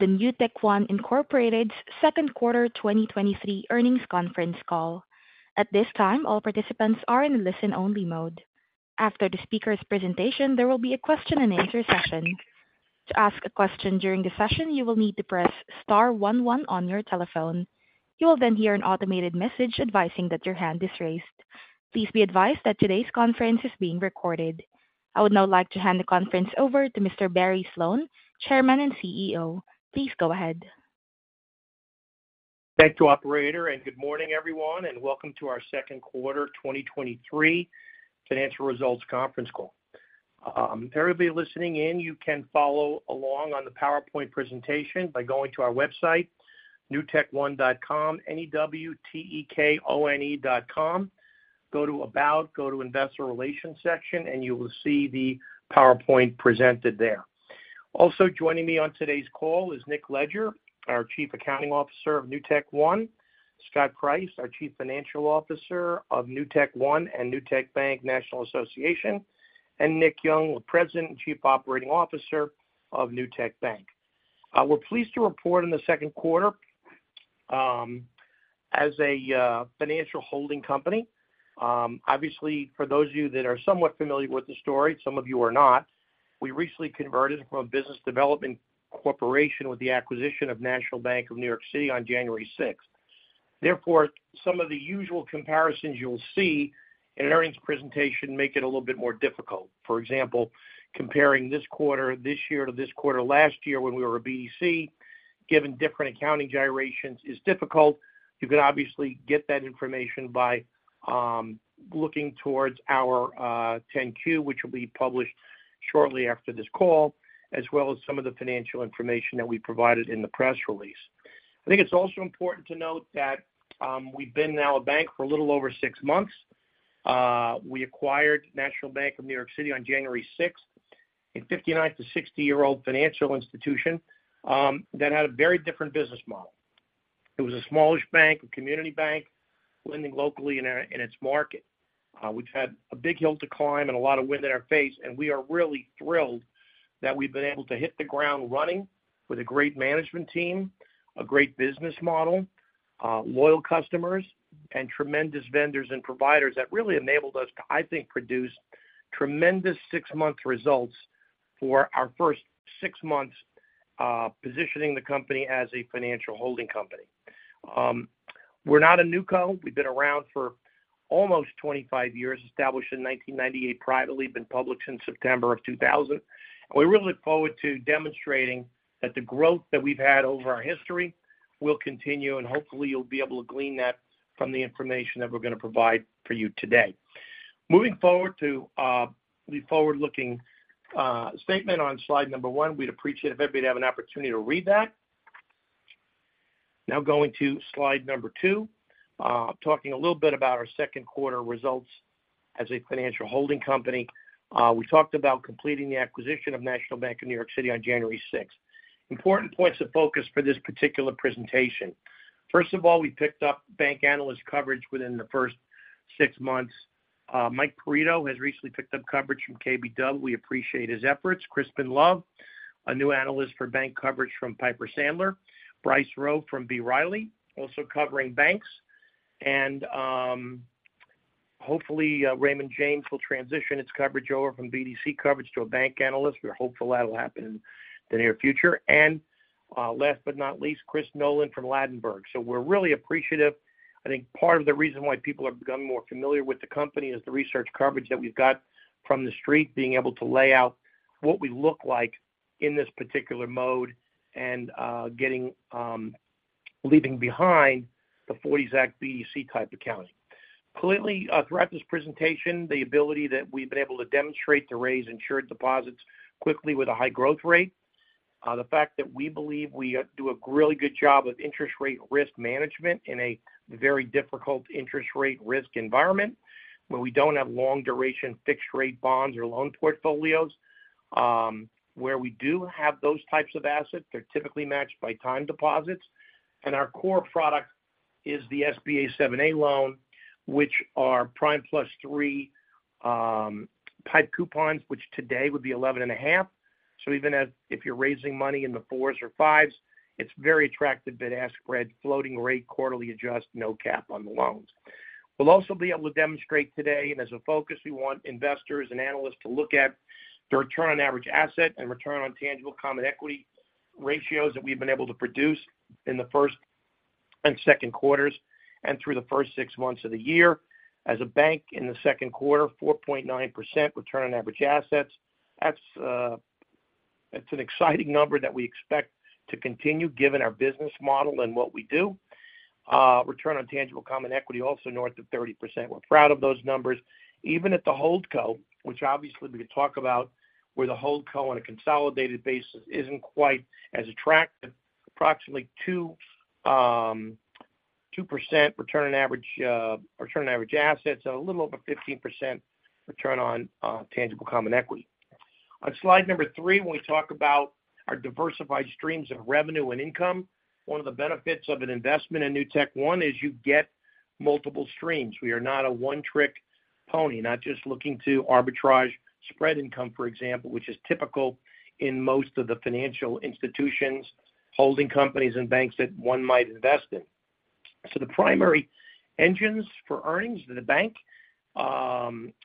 The NewtekOne Incorporated's second quarter 2023 earnings conference call. At this time, all participants are in listen-only mode. After the speaker's presentation, there will be a question and answer session. To ask a question during the session, you will need to press star one one on your telephone. You will then hear an automated message advising that your hand is raised. Please be advised that today's conference is being recorded. I would now like to hand the conference over to Mr. Barry Sloane, Chairman and CEO. Please go ahead. Thank you, operator. Good morning, everyone, and welcome to our second quarter 2023 financial results conference call. Everybody listening in, you can follow along on the PowerPoint presentation by going to our website, newtekone.com, N-E-W-T-E-K-O-N-E dot com. Go to About, go to Investor Relations section, you will see the PowerPoint presented there. Also joining me on today's call is Nick Leger, our Chief Accounting Officer of NewtekOne, Scott Price, our Chief Financial Officer of NewtekOne and Newtek Bank, National Association, and Nick Young, the President and Chief Operating Officer of Newtek Bank. We're pleased to report in the second quarter as a financial holding company. Obviously, for those of you that are somewhat familiar with the story, some of you are not. We recently converted from a business development corporation with the acquisition of National Bank of New York City on January 6th. Therefore, some of the usual comparisons you'll see in an earnings presentation make it a little bit more difficult. For example, comparing this quarter, this year to this quarter last year, when we were a BDC, given different accounting gyrations is difficult. You could obviously get that information by looking towards our 10-Q, which will be published shortly after this call, as well as some of the financial information that we provided in the press release. I think it's also important to note that we've been now a bank for a little over six months. We acquired National Bank of New York City on January 6th. A 59-60-year-old financial institution that had a very different business model. It was a smallish bank, a community bank, lending locally in, in its market. We've had a big hill to climb and a lot of wind in our face, and we are really thrilled that we've been able to hit the ground running with a great management team, a great business model, loyal customers and tremendous vendors and providers that really enabled us to produce tremendous six-month results for our first six months, positioning the company as a financial holding company. We're not a new co. We've been around for almost 25 years, established in 1998, privately, been public since September of 2000. We really look forward to demonstrating that the growth that we've had over our history will continue, and hopefully, you'll be able to glean that from the information that we're gonna provide for you today. Moving forward to the forward-looking statement on slide one we'd appreciate it if everybody have an opportunity to read that. Now, going to slide two, talking a little bit about our second quarter results as a financial holding company. We talked about completing the acquisition of National Bank of New York City on January 6. Important points of focus for this particular presentation. First of all, we picked up bank analyst coverage within the first six months. Mike Perito has recently picked up coverage from KBW. We appreciate his efforts. Crispin Love, a new analyst for bank coverage from Piper Sandler, Bryce Rowe from B. Riley, also covering banks. Hopefully, Raymond James will transition its coverage over from BDC coverage to a bank analyst. We're hopeful that'll happen in the near future. Last but not least, Chris Nolan from Ladenburg. We're really appreciative. I think part of the reason why people have become more familiar with the company is the research coverage that we've got from the street, being able to lay out what we look like in this particular mode, getting leaving behind the 40 Act BDC type accounting. Clearly, throughout this presentation, the ability that we've been able to demonstrate to raise insured deposits quickly with a high growth rate. The fact that we believe we do a really good job of interest rate risk management in a very difficult interest rate risk environment, where we don't have long-duration fixed rate bonds or loan portfolios. Where we do have those types of assets, they're typically matched by time deposits. Our core product is the SBA 7(a) loan, which are prime plus three type coupons, which today would be 11.5. Even as if you're raising money in the fours or fives, it's very attractive. Ask spread floating rate, quarterly adjust, no cap on the loans. We'll also be able to demonstrate today. As a focus, we want investors and analysts to look at the return on average asset and return on tangible common equity ratios that we've been able to produce in the first and second quarters and through the first six months of the year. As a bank in the second quarter, 4.9% return on average assets. That's, that's an exciting number that we expect to continue given our business model and what we do. Return on tangible common equity, also north of 30%. We're proud of those numbers. Even at the Holdco, which obviously we could talk about, where the Holdco on a consolidated basis isn't quite as attractive, approximately 2% return on average, return on average ssets, a little over 15% return on tangible common equity. On slide number three, we talk about our diversified streams of revenue and income. One of the benefits of an investment in NewtekOne is you get multiple streams. We are not a one-trick pony, not just looking to arbitrage spread income, for example, which is typical in most of the financial institutions, holding companies and banks that one might invest in. The primary engines for earnings to the Bank,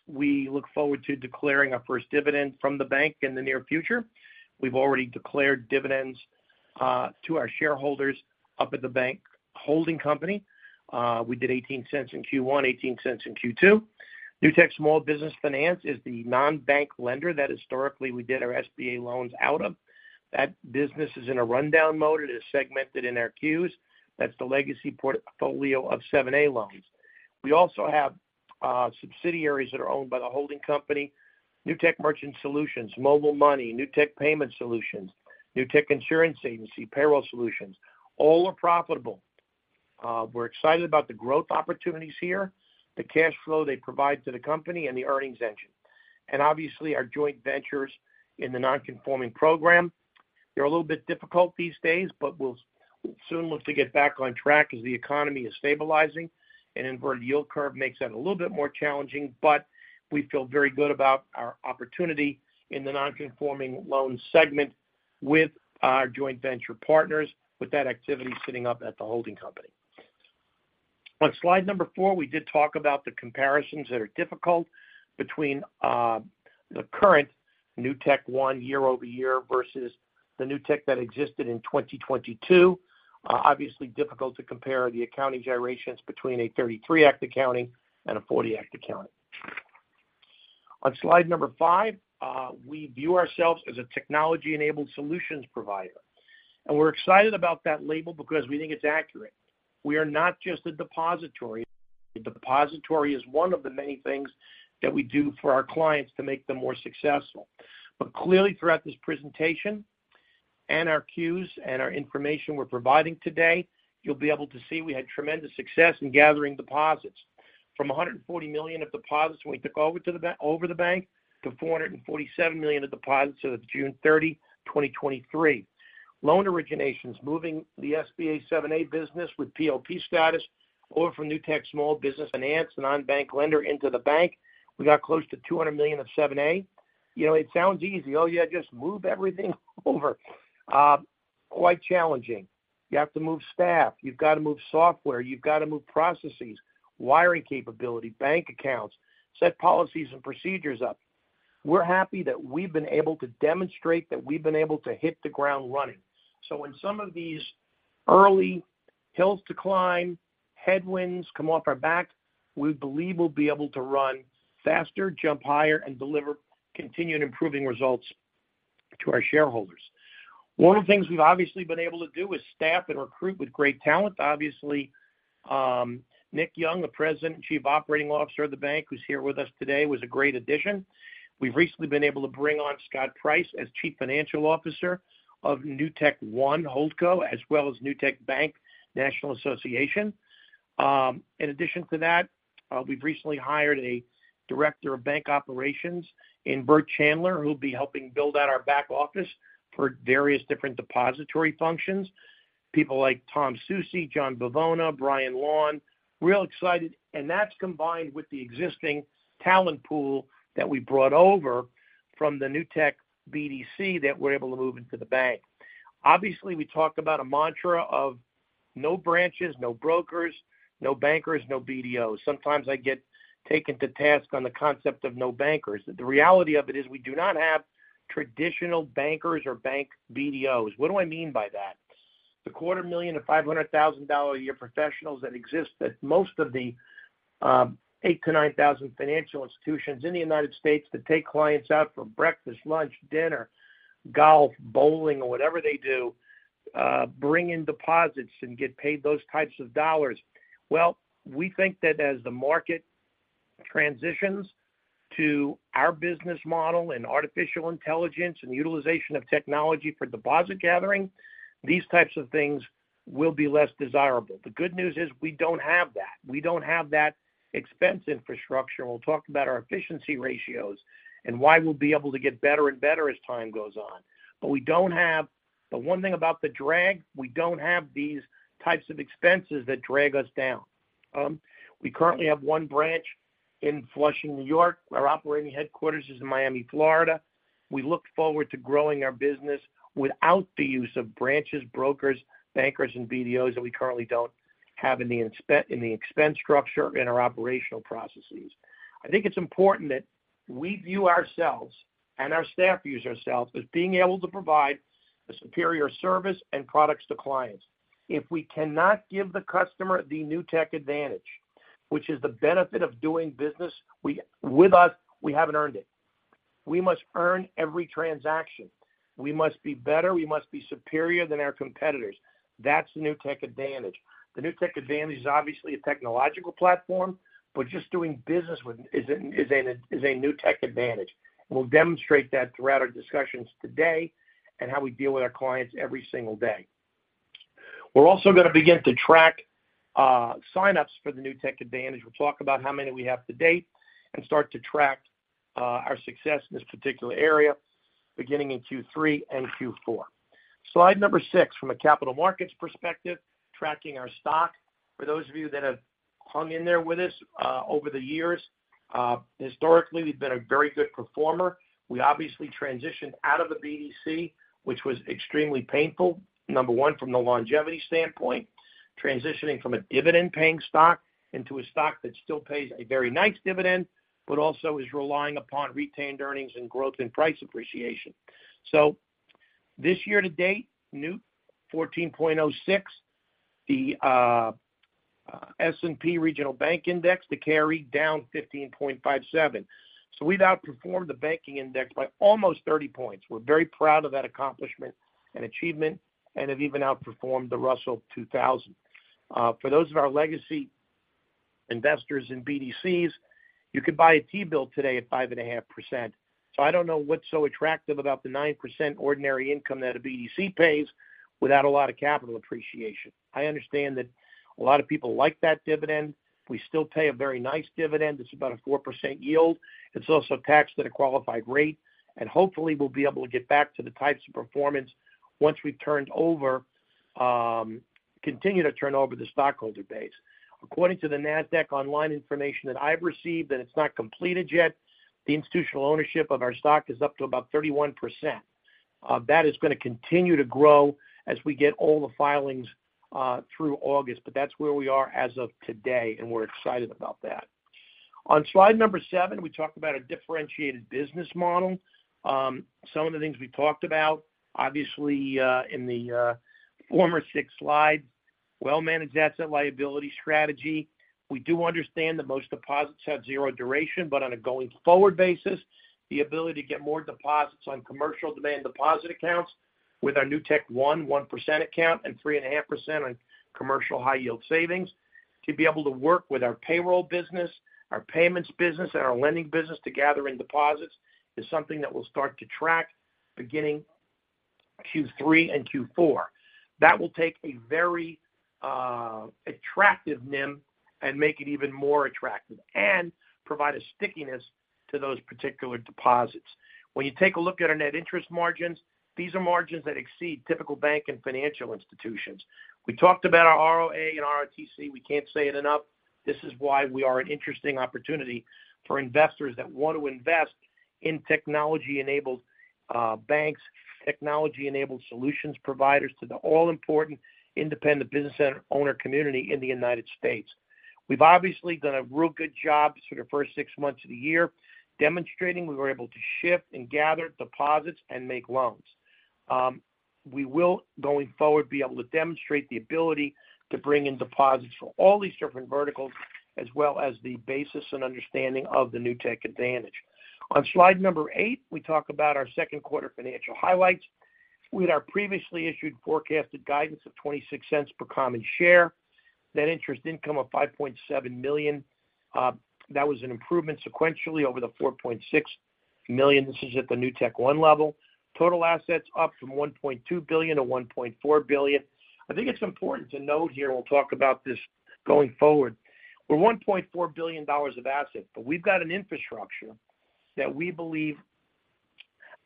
we look forward to declaring our first dividend from the Bank in the near future. We've already declared dividends to our shareholders up at the bank holding company. We did $0.18 in Q1, $0.18 in Q2. Newtek Small Business Finance is the non-bank lender that historically we did our SBA loans out of. That business is in a rundown mode. It is segmented in our queues. That's the legacy portfolio of 7(a) loans. We also have subsidiaries that are owned by the holding company, Newtek Merchant Solutions, MobilMoney, Newtek Payment Solutions, Newtek Insurance Agency, Payroll Solutions, all are profitable. We're excited about the growth opportunities here, the cash flow they provide to the company and the earnings engine. Obviously, our joint ventures in the non-conforming program. They're a little bit difficult these days, but we'll soon look to get back on track as the economy is stabilizing. An inverted yield curve makes that a little bit more challenging, but we feel very good about our opportunity in the non-conforming loan segment with our joint venture partners, with that activity sitting up at the holding company. On slide number four, we did talk about the comparisons that are difficult between the current NewtekOne year-over-year versus the Newtek that existed in 2022. Obviously difficult to compare the accounting gyrations between a 33 Act accounting and a 40 Act accounting. On slide number five, we view ourselves as a technology-enabled solutions provider, and we're excited about that label because we think it's accurate. We are not just a depository. The depository is one of the many things that we do for our clients to make them more successful. Clearly, throughout this presentation and our Qs and our information we're providing today, you'll be able to see we had tremendous success in gathering deposits. From $140 million of deposits when we took over over the bank, to $447 million of deposits as of June 30, 2023. Loan originations, moving the SBA 7(a) business with PLP status from Newtek Small Business Finance, a non-bank lender into the bank. We got close to $200 million of 7(a). You know, it sounds easy. Oh, yeah, just move everything over. Quite challenging. You have to move staff, you've got to move software, you've got to move processes, wiring capability, bank accounts, set policies and procedures up. We're happy that we've been able to demonstrate that we've been able to hit the ground running. When some of these early hills to climb, headwinds come off our back, we believe we'll be able to run faster, jump higher and deliver continued improving results to our shareholders. One of the things we've obviously been able to do is staff and recruit with great talent. Obviously, Nick Young, the President and Chief Operating Officer of the bank, who's here with us today, was a great addition. We've recently been able to bring on Scott Price as Chief Financial Officer of NewtekOne HoldCo, as well as Newtek Bank, National Association. In addition to that, we've recently hired a Director of Bank Operations in Burt Chandler, who'll be helping build out our back office for various different depository functions. People like Tom Soucy, John Bivona, Brian Lawn, real excited. That's combined with the existing talent pool that we brought over from the Newtek BDC, that we're able to move into the bank. Obviously, we talked about a mantra of no branches, no brokers, no bankers, no BDOs. Sometimes I get taken to task on the concept of no bankers. The reality of it is we do not have traditional bankers or bank BDOs. What do I mean by that? The $250,000-$500,000 a year professionals that exist at most of the 8,000-9,000 financial institutions in the United States that take clients out for breakfast, lunch, dinner, golf, bowling, or whatever they do, bring in deposits and get paid those types of dollars. Well, we think that as the market transitions to our business model and artificial intelligence and utilization of technology for deposit gathering, these types of things will be less desirable. The good news is we don't have that. We don't have that expense infrastructure. We'll talk about our efficiency ratios and why we'll be able to get better and better as time goes on. The one thing about the drag, we don't have these types of expenses that drag us down. We currently have one branch in Flushing, New York. Our operating headquarters is in Miami, Florida. We look forward to growing our business without the use of branches, brokers, bankers, and BDOs that we currently don't have in the expense structure and our operational processes. I think it's important that we view ourselves and our staff view ourselves as being able to provide a superior service and products to clients. If we cannot give the customer the Newtek Advantage, which is the benefit of doing business with us, we haven't earned it. We must earn every transaction. We must be better. We must be superior than our competitors. That's the Newtek Advantage. The Newtek Advantage is obviously a technological platform, but just doing business with is a Newtek Advantage. We'll demonstrate that throughout our discussions today and how we deal with our clients every single day. We're also gonna begin to track sign-ups for the Newtek Advantage. We'll talk about how many we have to date and start to track our success in this particular area beginning in Q3 and Q4. Slide number six, from a capital markets perspective, tracking our stock. For those of you that have hung in there with us, over the years, historically, we've been a very good performer. We obviously transitioned out of the BDC, which was extremely painful. Number one, from the longevity standpoint, transitioning from a dividend-paying stock into a stock that still pays a very nice dividend, but also is relying upon retained earnings and growth in price appreciation. This year to date, new 14.06, the S&P Regional Bank Index, the carry down 15.57. We've outperformed the banking index by almost 30 points. We're very proud of that accomplishment and achievement, and have even outperformed the Russell 2000. For those of our legacy investors in BDCs, you could buy a T-bill today at 5.5%. I don't know what's so attractive about the 9% ordinary income that a BDC pays without a lot of capital appreciation. I understand that a lot of people like that dividend. We still pay a very nice dividend. It's about a 4% yield. It's also taxed at a qualified rate, and hopefully, we'll be able to get back to the types of performance once we've turned over, continue to turn over the stockholder base. According to the Nasdaq online information that I've received, and it's not completed yet, the institutional ownership of our stock is up to about 31%. That is gonna continue to grow as we get all the filings, through August, but that's where we are as of today, and we're excited about that. On slide number seven, we talked about a differentiated business model. Some of the things we talked about, obviously, in the former six slide, well-managed asset liability strategy. We do understand that most deposits have zero duration, but on a going-forward basis, the ability to get more deposits on commercial demand deposit accounts with our NewtekOne, 1% account and 3.5% on commercial high yield savings. To be able to work with our payroll business, our payments business, and our lending business to gather in deposits, is something that will start to track beginning Q3 and Q4. That will take a very attractive NIM and make it even more attractive and provide a stickiness to those particular deposits. When you take a look at our net interest margins, these are margins that exceed typical bank and financial institutions. We talked about our ROA and ROTC. We can't say it enough. This is why we are an interesting opportunity for investors that want to invest in technology-enabled banks, technology-enabled solutions providers to the all-important independent business owner community in the United States. We've obviously done a real good job through the first six months of the year, demonstrating we were able to shift and gather deposits and make loans. We will, going forward, be able to demonstrate the ability to bring in deposits from all these different verticals, as well as the basis and understanding of the Newtek Advantage. On slide number eight, we talk about our second quarter financial highlights. We had our previously issued forecasted guidance of $0.26 per common share, net interest income of $5.7 million. That was an improvement sequentially over the $4.6 million. This is at the NewtekOne level. Total assets up from $1.2 billion-$1.4 billion. I think it's important to note here, we'll talk about this going forward. We're $1.4 billion of assets, but we've got an infrastructure that we believe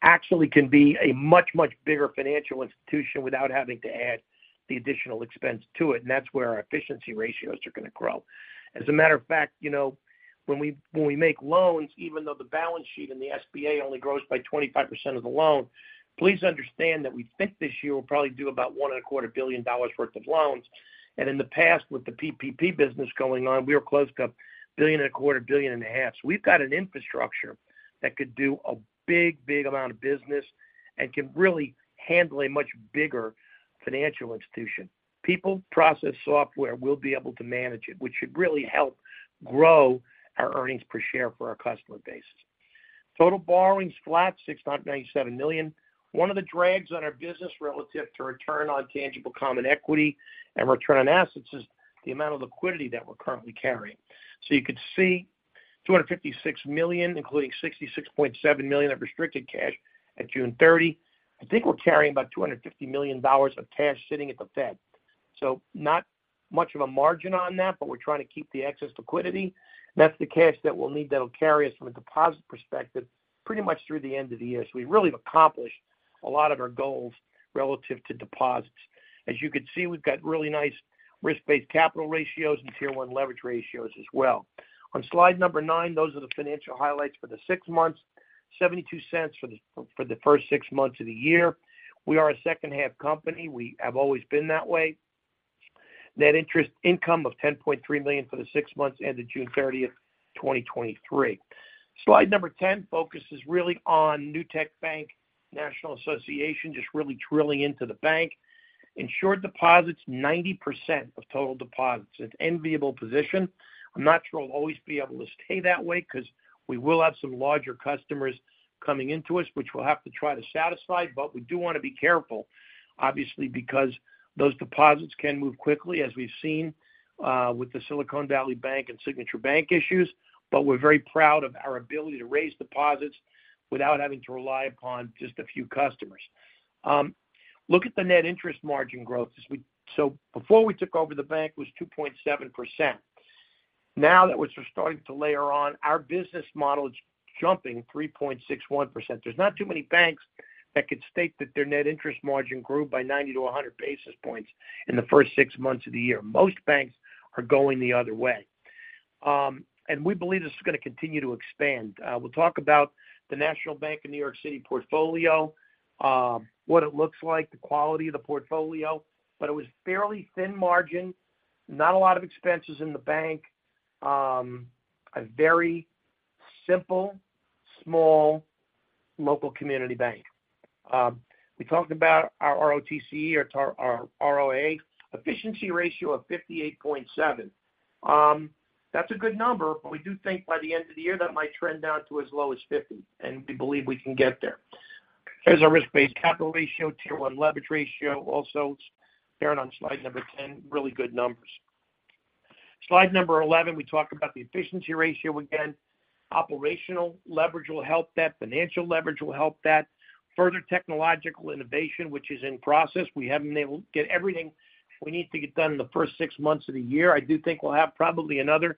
actually can be a much, much bigger financial institution without having to add the additional expense to it, and that's where our efficiency ratios are gonna grow. As a matter of fact, you know, when we, when we make loans, even though the balance sheet and the SBA only grows by 25% of the loan, please understand that we think this year we'll probably do about $1.25 billion worth of loans. In the past, with the PPP business going on, we were close to $1.25 billion-$1.5 billion. We've got an infrastructure that could do a big, big amount of business and can really handle a much bigger financial institution. People, process, software will be able to manage it, which should really help grow our earnings per share for our customer base. Total borrowings flat, $697 million. One of the drags on our business relative to return on tangible common equity and return on assets is the amount of liquidity that we're currently carrying. You could see $256 million, including $66.7 million of restricted cash at June 30. I think we're carrying about $250 million of cash sitting at the Fed. Not much of a margin on that, but we're trying to keep the excess liquidity. That's the cash that we'll need that'll carry us from a deposit perspective, pretty much through the end of the year. We really have accomplished a lot of our goals relative to deposits. As you can see, we've got really nice risk-based capital ratios and Tier 1 leverage ratios as well. On Slide number nine, those are the financial highlights for the six months, $0.72 for the, for the first six months of the year. We are a second-half company. We have always been that way. Net interest income of $10.3 million for the six months ended June 30th, 2023. Slide number 10 focuses really on Newtek Bank, National Association, just really drilling into the bank. Insured deposits, 90% of total deposits. It's enviable position. I'm not sure I'll always be able to stay that way because we will have some larger customers coming into us, which we'll have to try to satisfy. We do want to be careful, obviously, because those deposits can move quickly, as we've seen, with the Silicon Valley Bank and Signature Bank issues. We're very proud of our ability to raise deposits without having to rely upon just a few customers. Look at the net interest margin growth. Before we took over the bank, it was 2.7%. Now that we're starting to layer on, our business model is jumping 3.61%. There's not too many banks that could state that their net interest margin grew by 90-100 basis points in the first six months of the year. Most banks are going the other way. We believe this is going to continue to expand. We'll talk about the National Bank of New York City portfolio, what it looks like, the quality of the portfolio. It was fairly thin margin, not a lot of expenses in the bank. A very simple, small, local community bank. We talked about our ROTCE or our ROA efficiency ratio of 58.7. That's a good number. We do think by the end of the year, that might trend down to as low as 50, and we believe we can get there. Here's our risk-based capital ratio, Tier 1 leverage ratio. Also, it's there on slide number 10. Really good numbers. Slide number 11, we talk about the efficiency ratio again. Operational leverage will help that. Financial leverage will help that. Further technological innovation, which is in process. We haven't been able to get everything we need to get done in the first six months of the year. I do think we'll have probably another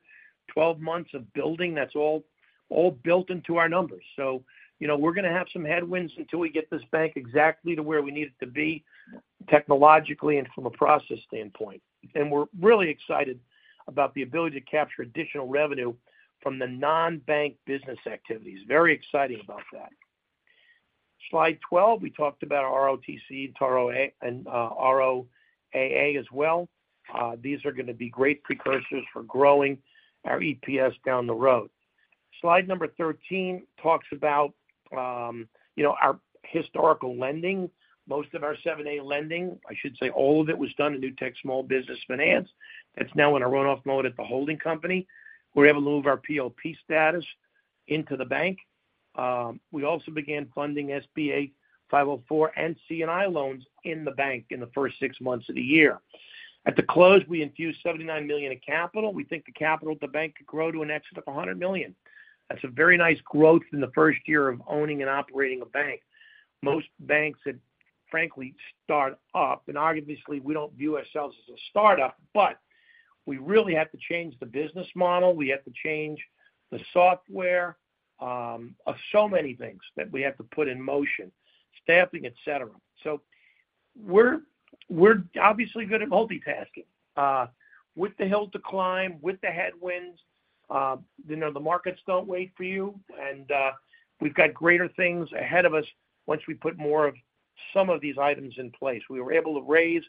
12 months of building. That's all, all built into our numbers. You know, we're going to have some headwinds until we get this bank exactly to where we need it to be, technologically and from a process standpoint. We're really excited about the ability to capture additional revenue from the non-bank business activities. Very exciting about that. Slide 12, we talked about our ROTC and our ROA and ROAA as well. These are going to be great precursors for growing our EPS down the road. Slide number 13 talks about, you know, our historical lending. Most of our 7(a) lending, I should say, all of it was done in Newtek Small Business Finance. It's now in a runoff mode at the holding company, where we have a little of our PLP status into the bank. We also began funding SBA 504 and C&I loans in the bank in the first six months of the year. At the close, we infused $79 million in capital. We think the capital at the bank could grow to in excess of $100 million. That's a very nice growth in the first year of owning and operating a bank. Most banks that frankly start up, and obviously we don't view ourselves as a start-up, but we really have to change the business model. We have to change the software of so many things that we have to put in motion, staffing, et cetera. We're, we're obviously good at multitasking. With the hill to climb, with the headwinds, you know, the markets don't wait for you, we've got greater things ahead of us once we put more of some of these items in place. We were able to raise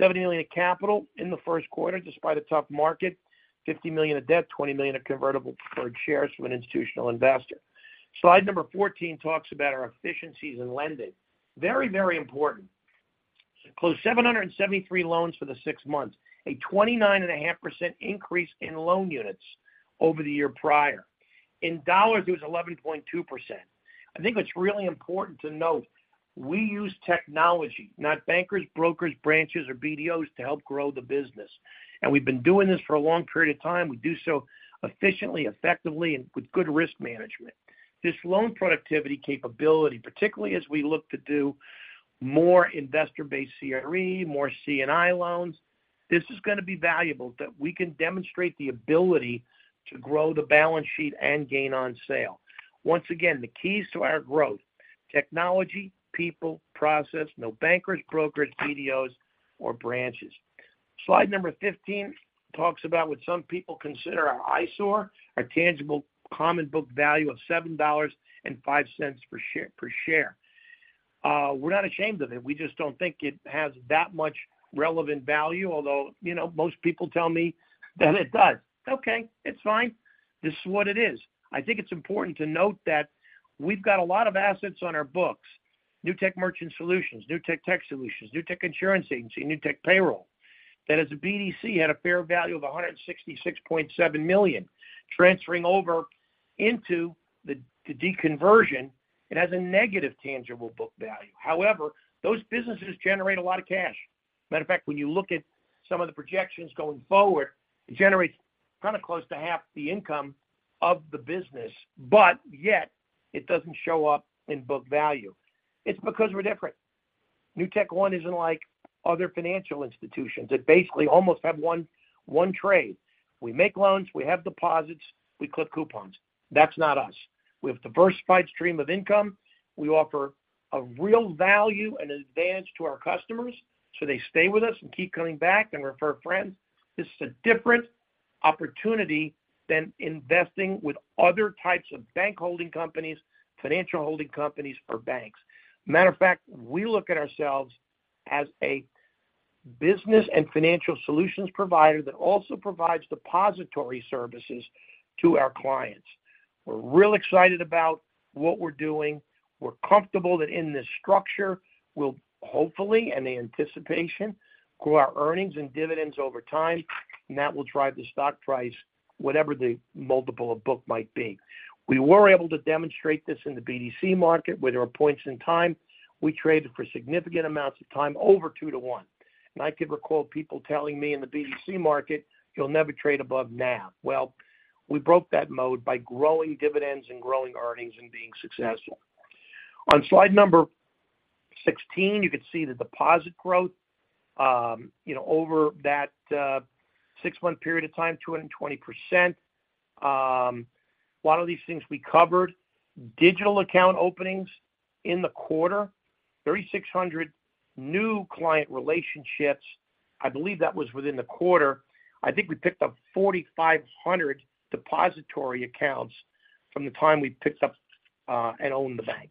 $70 million of capital in the first quarter, despite a tough market, $50 million of debt, $20 million of convertible preferred shares from an institutional investor. Slide number 14 talks about our efficiencies and lending. Very, very important. Closed 773 loans for the six months, a 29.5% increase in loan units over the year prior. In dollars, it was 11.2%. I think what's really important to note, we use technology, not bankers, brokers, branches, or BDOs to help grow the business. We've been doing this for a long period of time. We do so efficiently, effectively, and with good risk management. This loan productivity capability, particularly as we look to do more investor-based CRE, more C&I loans, this is going to be valuable that we can demonstrate the ability to grow the balance sheet and gain on sale. Once again, the keys to our growth, technology, people, process, no bankers, brokers, BDOs or branches. Slide number 15 talks about what some people consider our eyesore, our tangible common book value of $7.05 per share, per share. We're not ashamed of it. We just don't think it has that much relevant value, although, you know, most people tell me that it does. Okay, it's fine. This is what it is. I think it's important to note that we've got a lot of assets on our books, Newtek Merchant Solutions, Newtek Tech Solutions, Newtek Insurance Agency, Newtek Payroll. That as a BDC, had a fair value of $166.7 million. Transferring over into the deconversion, it has a negative tangible book value. However, those businesses generate a lot of cash. Matter of fact, when you look at some of the projections going forward, it generates kind of close to half the income of the business, but yet it doesn't show up in book value. It's because we're different. NewtekOne isn't like other financial institutions that basically almost have one, one trade. We make loans, we have deposits, we clip coupons. That's not us. We have diversified stream of income. We offer a real value and advantage to our customers, so they stay with us and keep coming back and refer friends. This is a different opportunity than investing with other types of bank holding companies, financial holding companies, or banks. Matter of fact, we look at ourselves as a business and financial solutions provider that also provides depository services to our clients. We're real excited about what we're doing. We're comfortable that in this structure, we'll hopefully, and in anticipation, grow our earnings and dividends over time, and that will drive the stock price, whatever the multiple of book might be. We were able to demonstrate this in the BDC market, where there were points in time, we traded for significant amounts of time over 2:1. I can recall people telling me in the BDC market, "You'll never trade above NAV." Well, we broke that mode by growing dividends and growing earnings and being successful. On slide 16, you could see the deposit growth, you know, over that six-month period of time, 220%. A lot of these things we covered. Digital account openings in the quarter, 3,600 new client relationships. I believe that was within the quarter. I think we picked up 4,500 depository accounts from the time we picked up and owned the bank.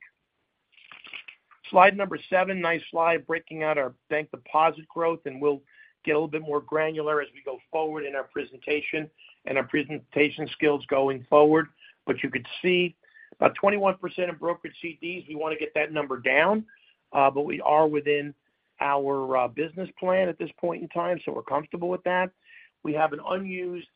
Slide number seven, nice slide, breaking out our bank deposit growth. We'll get a little bit more granular as we go forward in our presentation and our presentation skills going forward. You could see about 21% of brokered CDs. We want to get that number down. We are within our business plan at this point in time. We're comfortable with that. We have an unused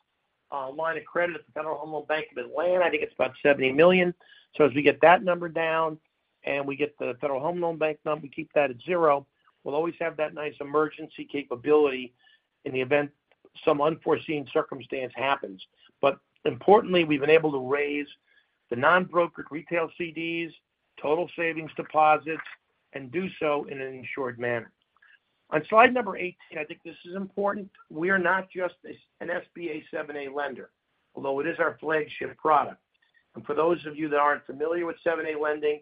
line of credit at the Federal Home Loan Bank of Atlanta. I think it's about $70 million. As we get that number down and we get the Federal Home Loan Bank number, we keep that at zero. We'll always have that nice emergency capability in the event some unforeseen circumstance happens. Importantly, we've been able to raise the non-brokered retail CDs, total savings deposits, and do so in an insured manner. On slide number 18, I think this is important. We are not just an SBA 7(a) lender, although it is our flagship product. For those of you that aren't familiar with 7(a) lending,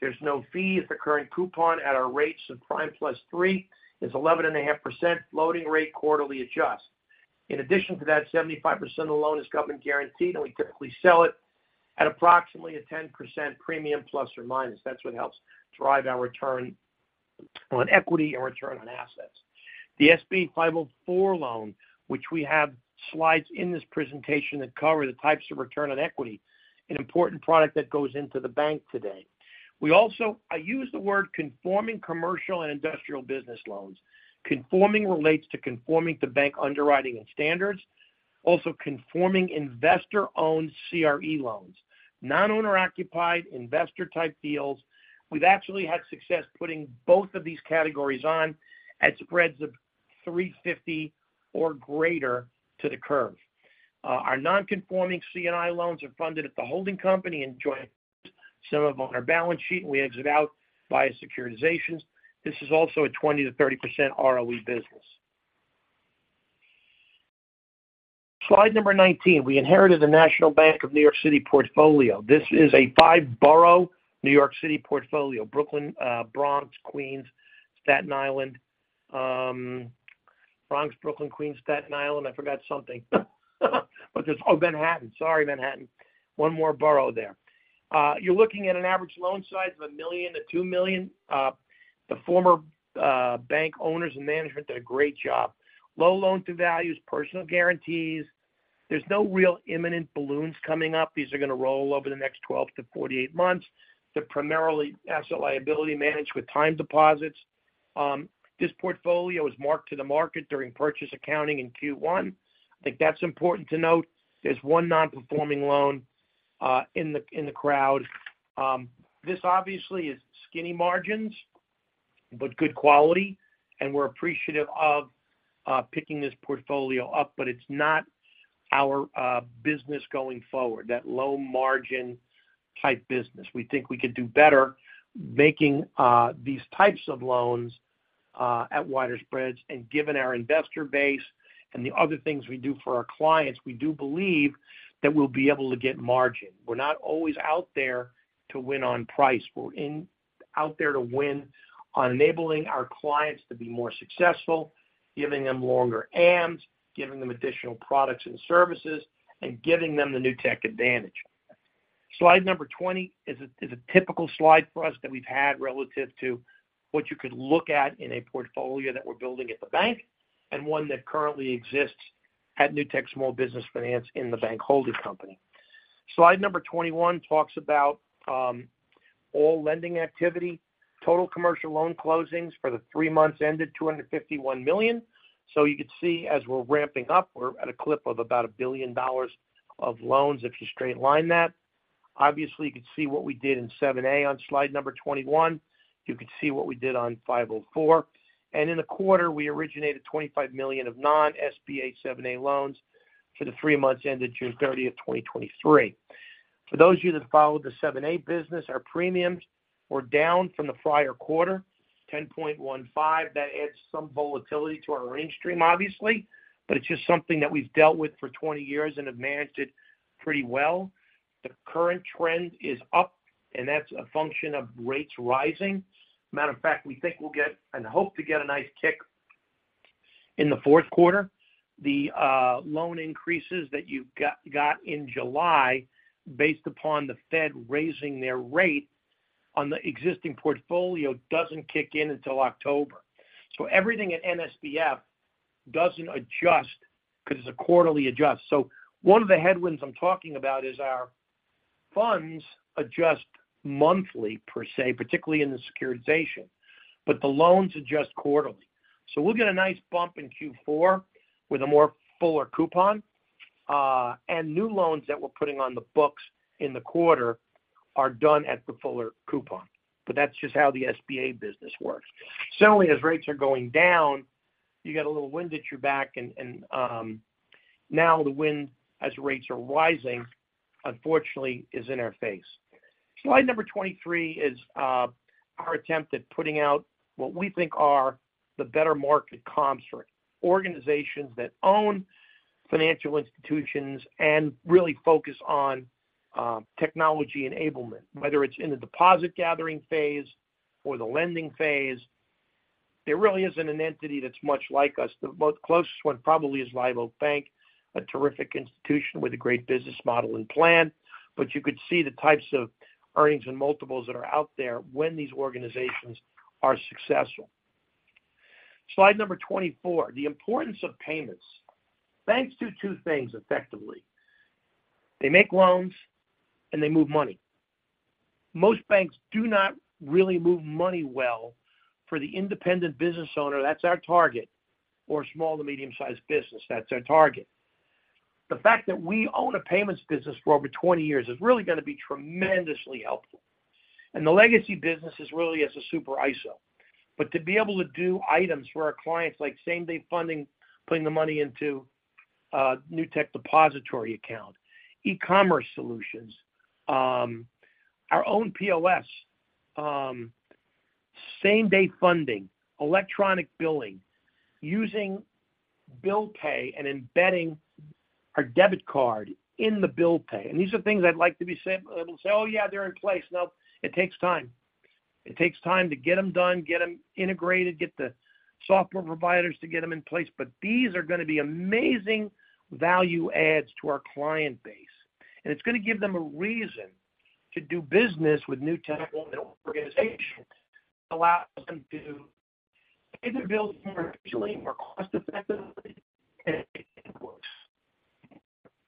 there's no fee. It's a current coupon at our rates of prime plus three. It's 11.5% loading rate quarterly adjust. In addition to that, 75% of the loan is government guaranteed, and we typically sell it at approximately a 10% premium, plus or minus. That's what helps drive our return on equity and return on assets. The SBA 504 loan, which we have slides in this presentation that cover the types of return on equity, an important product that goes into the bank today. I use the word conforming commercial and industrial business loans. Conforming relates to conforming to bank underwriting and standards, also conforming investor-owned CRE loans, non-owner-occupied, investor-type deals. We've actually had success putting both of these categories on at spreads of 350 or greater to the curve. Our non-conforming C&I loans are funded at the holding company and joint some of them on our balance sheet, and we exit out via securitizations. This is also a 20%-30% ROE business. Slide number 19. We inherited the National Bank of New York City portfolio. This is a five-borough New York City portfolio. Brooklyn, Bronx, Queens, Staten Island, Bronx, Brooklyn, Queens, Staten Island. I forgot something, Manhattan. Sorry, Manhattan. One more borough there. You're looking at an average loan size of $1 million-$2 million. The former bank owners and management did a great job. Low loan-to-values, personal guarantees. There's no real imminent balloons coming up. These are gonna roll over the next 12-48 months. They're primarily asset-liability managed with time deposits. This portfolio is marked to the market during purchase accounting in Q1. I think that's important to note. There's one non-performing loan in the crowd. This obviously is skinny margins, but good quality, and we're appreciative of picking this portfolio up, but it's not our business going forward, that low-margin type business. We think we could do better making these types of loans at wider spreads. Given our investor base and the other things we do for our clients, we do believe that we'll be able to get margin. We're not always out there to win on price. We're out there to win on enabling our clients to be more successful, giving them longer AMs, giving them additional products and services, and giving them the Newtek Advantage. Slide number 20 is a typical slide for us that we've had relative to what you could look at in a portfolio that we're building at the bank and one that currently exists at Newtek Small Business Finance in the bank holding company. Slide number 21 talks about all lending activity. Total commercial loan closings for the three months ended $251 million. You could see as we're ramping up, we're at a clip of about $1 billion of loans, if you straight line that. Obviously, you could see what we did in 7(a) on slide number 21. You could see what we did on 504. In the quarter, we originated $25 million of non-SBA 7(a) loans for the three months ended June 30th, 2023. For those of you that followed the 7(a) business, our premiums were down from the prior quarter, 10.15. That adds some volatility to our range stream, obviously, but it's just something that we've dealt with for 20 years and have managed it pretty well. The current trend is up, and that's a function of rates rising. Matter of fact, we think we'll get and hope to get a nice kick in the fourth quarter. The loan increases that you got, got in July, based upon the Fed raising their rate on the existing portfolio, doesn't kick in until October. Everything at NSBF doesn't adjust because it's a quarterly adjust. One of the headwinds I'm talking about is our funds adjust monthly, per se, particularly in the securitization, but the loans adjust quarterly. We'll get a nice bump in Q4 with a more fuller coupon, and new loans that we're putting on the books in the quarter are done at the fuller coupon. That's just how the SBA business works. Suddenly, as rates are going down, you get a little wind at your back and, and. Now the wind, as rates are rising, unfortunately, is in our face. Slide number 23 is our attempt at putting out what we think are the better market comps for organizations that own financial institutions and really focus on technology enablement, whether it's in the deposit gathering phase or the lending phase. There really isn't an entity that's much like us. The most closest one probably is Live Oak Bank, a terrific institution with a great business model and plan. You could see the types of earnings and multiples that are out there when these organizations are successful. Slide number 24, the importance of payments. Banks do two things effectively. They make loans, and they move money. Most banks do not really move money well for the independent business owner, that's our target, or small to medium-sized business, that's our target. The fact that we own a payments business for over 20 years is really gonna be tremendously helpful. The legacy business is really as a Super ISO. To be able to do items for our clients, like same-day funding, putting the money into Newtek depository account, e-commerce solutions, our own POS, same-day funding, electronic billing, using bill pay and embedding our debit card in the bill pay. These are things I'd like to be said, say, oh, yeah, they're in place. No, it takes time. It takes time to get them done, get them integrated, get the software providers to get them in place, but these are gonna be amazing value adds to our client base. It's gonna give them a reason to do business with Newtek organizations, allows them to pay their bills more efficiently, more cost-effectively, and it works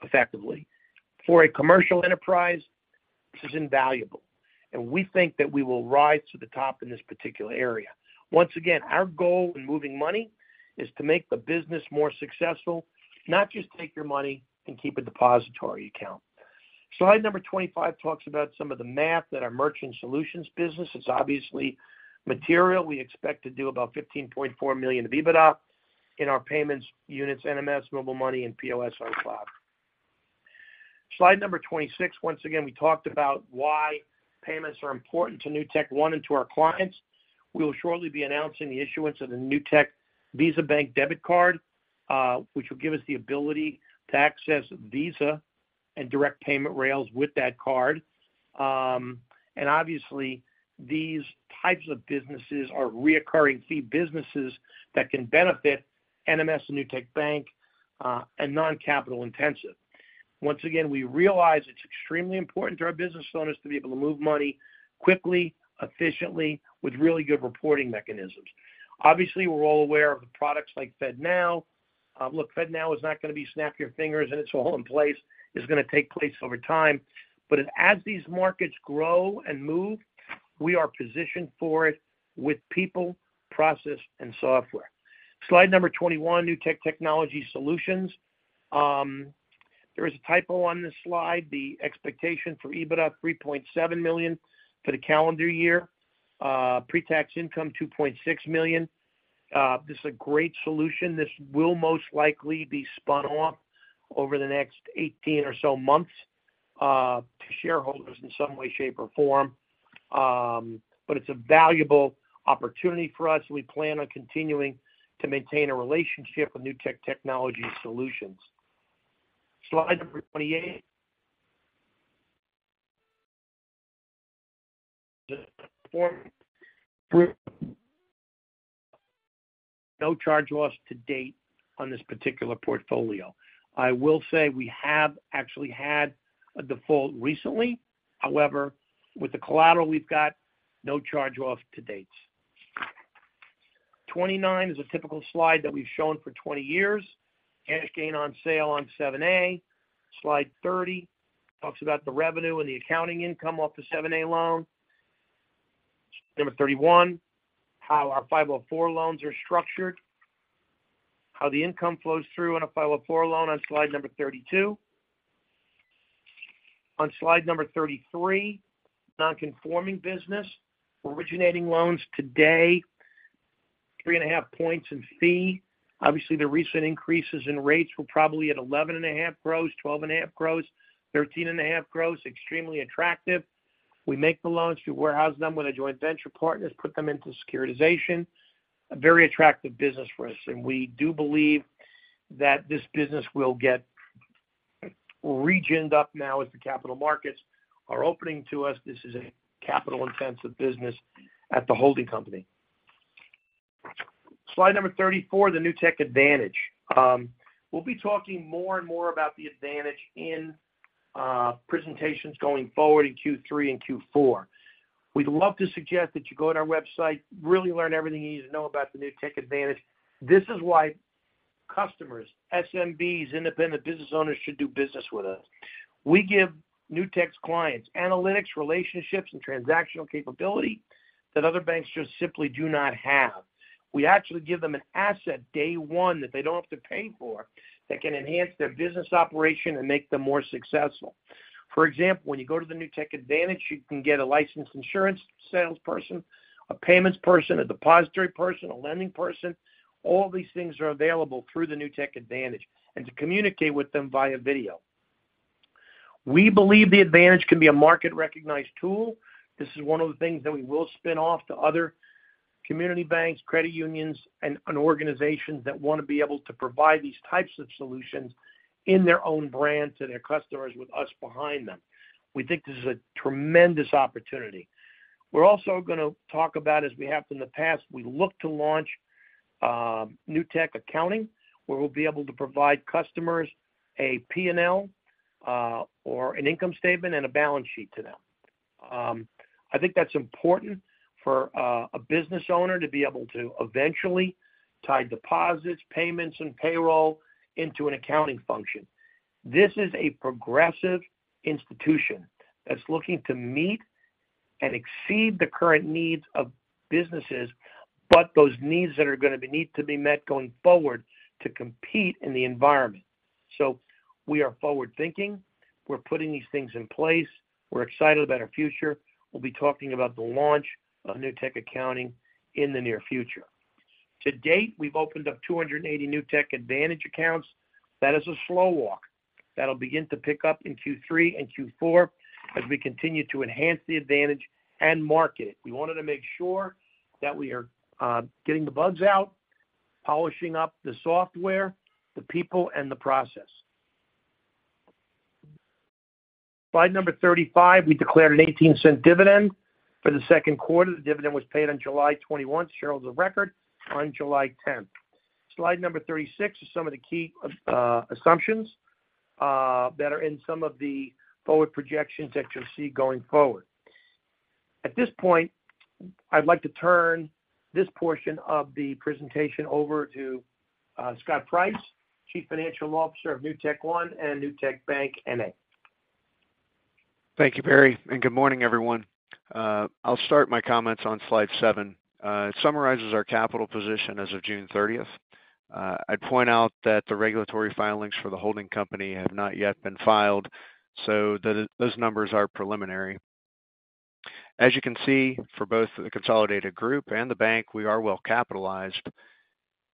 effectively. For a commercial enterprise, this is invaluable, and we think that we will rise to the top in this particular area. Our goal in moving money is to make the business more successful, not just take your money and keep a depository account. Slide number 25 talks about some of the math that our merchant solutions business is obviously material. We expect to do about $15.4 million in EBITDA in our payments, units, NMS, MobilMoney, and POS on Cloud. Slide number 26. We talked about why payments are important to NewtekOne and to our clients. We will shortly be announcing the issuance of the Newtek Bank Visa Debit Card, which will give us the ability to access Visa and direct payment rails with that card. Obviously, these types of businesses are reoccurring fee businesses that can benefit NMS and Newtek Bank and non-capital intensive. Once again, we realize it's extremely important to our business owners to be able to move money quickly, efficiently, with really good reporting mechanisms. Obviously, we're all aware of the products like FedNow. Look, FedNow is not gonna be snap your fingers, and it's all in place. It's gonna take place over time. As these markets grow and move, we are positioned for it with people, process, and software. Slide number 21, Newtek Technology Solutions. There is a typo on this slide. The expectation for EBITDA, $3.7 million for the calendar year, pre-tax income, $2.6 million. This is a great solution. This will most likely be spun off over the next 18 or so months to shareholders in some way, shape, or form. It's a valuable opportunity for us. We plan on continuing to maintain a relationship with Newtek Technology Solutions. Slide number 28. No charge off to date on this particular portfolio. I will say we have actually had a default recently. However, with the collateral we've got, no charge-off to date. 29 is a typical slide that we've shown for 20 years. Cash gain on sale on 7(a). Slide 30 talks about the revenue and the accounting income off the 7(a) loan. Number 31, how our 504 loans are structured, how the income flows through on a 504 loan on slide number 32. On slide number 33, non-conforming business, originating loans today, 3.5 points in fee. Obviously, the recent increases in rates were probably at 11.5 gross, 12.5 gross, 13.5 gross. Extremely attractive. We make the loans, we warehouse them with our joint venture partners, put them into securitization. A very attractive business for us, and we do believe that this business will get regened up now as the capital markets are opening to us. This is a capital-intensive business at the holding company. Slide number 34, the Newtek Advantage. We'll be talking more and more about the Advantage in presentations going forward in Q3 and Q4. We'd love to suggest that you go on our website, really learn everything you need to know about the Newtek Advantage. This is why customers, SMBs, independent business owners should do business with us. We give Newtek's clients analytics, relationships, and transactional capability that other banks just simply do not have. We actually give them an asset day one that they don't have to pay for, that can enhance their business operation and make them more successful. For example, when you go to the Newtek Advantage, you can get a licensed insurance salesperson, a payments person, a depository person, a lending person. All these things are available through the Newtek Advantage and to communicate with them via video. We believe the advantage can be a market-recognized tool. This is one of the things that we will spin off to other community banks, credit unions, and organizations that want to be able to provide these types of solutions in their own brand, to their customers with us behind them. We think this is a tremendous opportunity. We're also going to talk about, as we have in the past, we look to launch Newtek Accounting, where we'll be able to provide customers a P&L, or an income statement and a balance sheet to them. I think that's important for a business owner to be able to eventually tie deposits, payments, and payroll into an accounting function. This is a progressive institution that's looking to meet and exceed the current needs of businesses, but those needs that are going to be need to be met going forward to compete in the environment. We are forward-thinking. We're putting these things in place. We're excited about our future. We'll be talking about the launch of Newtek Accounting in the near future. To date, we've opened up 280 Newtek Advantage accounts. That is a slow walk. That'll begin to pick up in Q3 and Q4 as we continue to enhance the Newtek Advantage and market it. We wanted to make sure that we are getting the bugs out, polishing up the software, the people, and the process. Slide number 35, we declared an $0.18 dividend for the second quarter. The dividend was paid on July 21, shareholders of record on July 10. Slide number 36 is some of the key assumptions that are in some of the forward projections that you'll see going forward. At this point, I'd like to turn this portion of the presentation over to Scott Price, Chief Financial Officer of NewtekOne and Newtek Bank, N.A. Thank you, Barry, and good morning, everyone. I'll start my comments on slide 7. It summarizes our capital position as of June 30th. I'd point out that the regulatory filings for the holding company have not yet been filed, so those numbers are preliminary. As you can see, for both the consolidated group and the bank, we are well capitalized,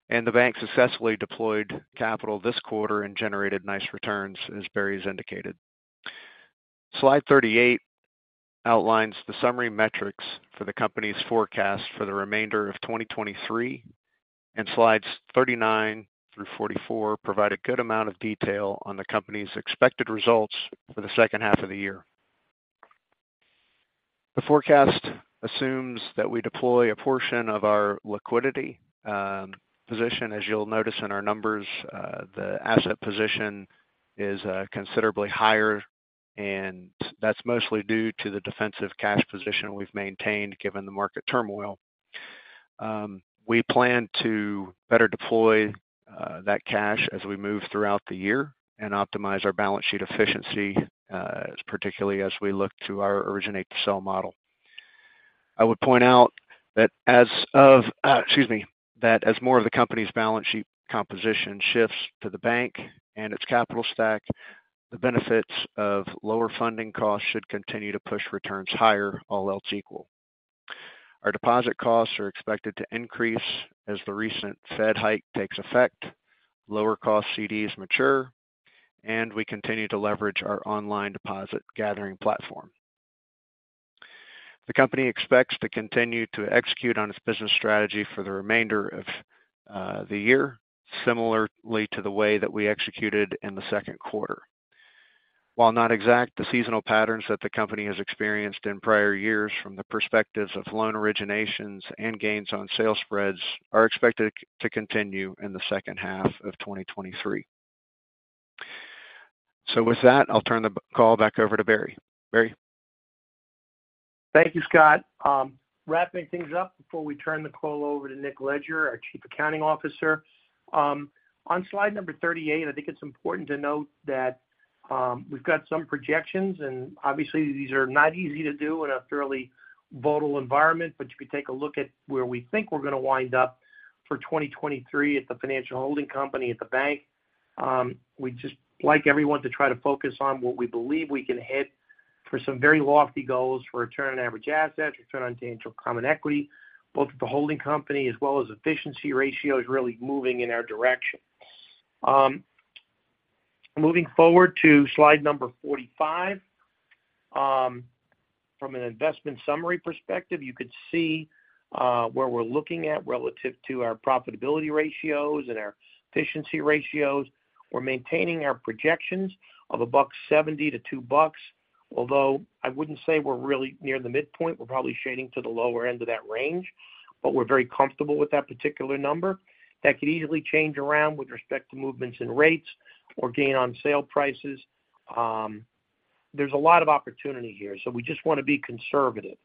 and the bank successfully deployed capital this quarter and generated nice returns, as Barry has indicated. Slide 38 outlines the summary metrics for the company's forecast for the remainder of 2023, and slides 39 through 44 provide a good amount of detail on the company's expected results for the second half of the year. The forecast assumes that we deploy a portion of our liquidity position. As you'll notice in our numbers, the asset position is considerably higher. That's mostly due to the defensive cash position we've maintained, given the market turmoil. We plan to better deploy that cash as we move throughout the year and optimize our balance sheet efficiency, particularly as we look to our originate-to-sell model. I would point out that as of, excuse me, that as more of the company's balance sheet composition shifts to the bank and its capital stack, the benefits of lower funding costs should continue to push returns higher, all else equal. Our deposit costs are expected to increase as the recent Fed hike takes effect, lower cost CDs mature, and we continue to leverage our online deposit gathering platform. The company expects to continue to execute on its business strategy for the remainder of the year, similarly to the way that we executed in the second quarter. While not exact, the seasonal patterns that the company has experienced in prior years from the perspectives of loan originations and gains on sales spreads are expected to continue in the second half of 2023. With that, I'll turn the call back over to Barry. Barry? Thank you, Scott. Wrapping things up before we turn the call over to Nick Leger, our Chief Accounting Officer. On slide number 38, I think it's important to note that we've got some projections, and obviously, these are not easy to do in a fairly volatile environment, but you can take a look at where we think we're going to wind up for 2023 at the financial holding company at the bank. We'd just like everyone to try to focus on what we believe we can hit for some very lofty goals for return on average assets, return on tangible common equity, both at the holding company as well as efficiency ratio is really moving in our direction. Moving forward to slide number 45. From an investment summary perspective, you could see where we're looking at relative to our profitability ratios and our efficiency ratios. We're maintaining our projections of $1.70-$2.00. Although, I wouldn't say we're really near the midpoint, we're probably shading to the lower end of that range, but we're very comfortable with that particular number. That could easily change around with respect to movements in rates or gain on sale prices. There's a lot of opportunity here, so we just want to be conservative.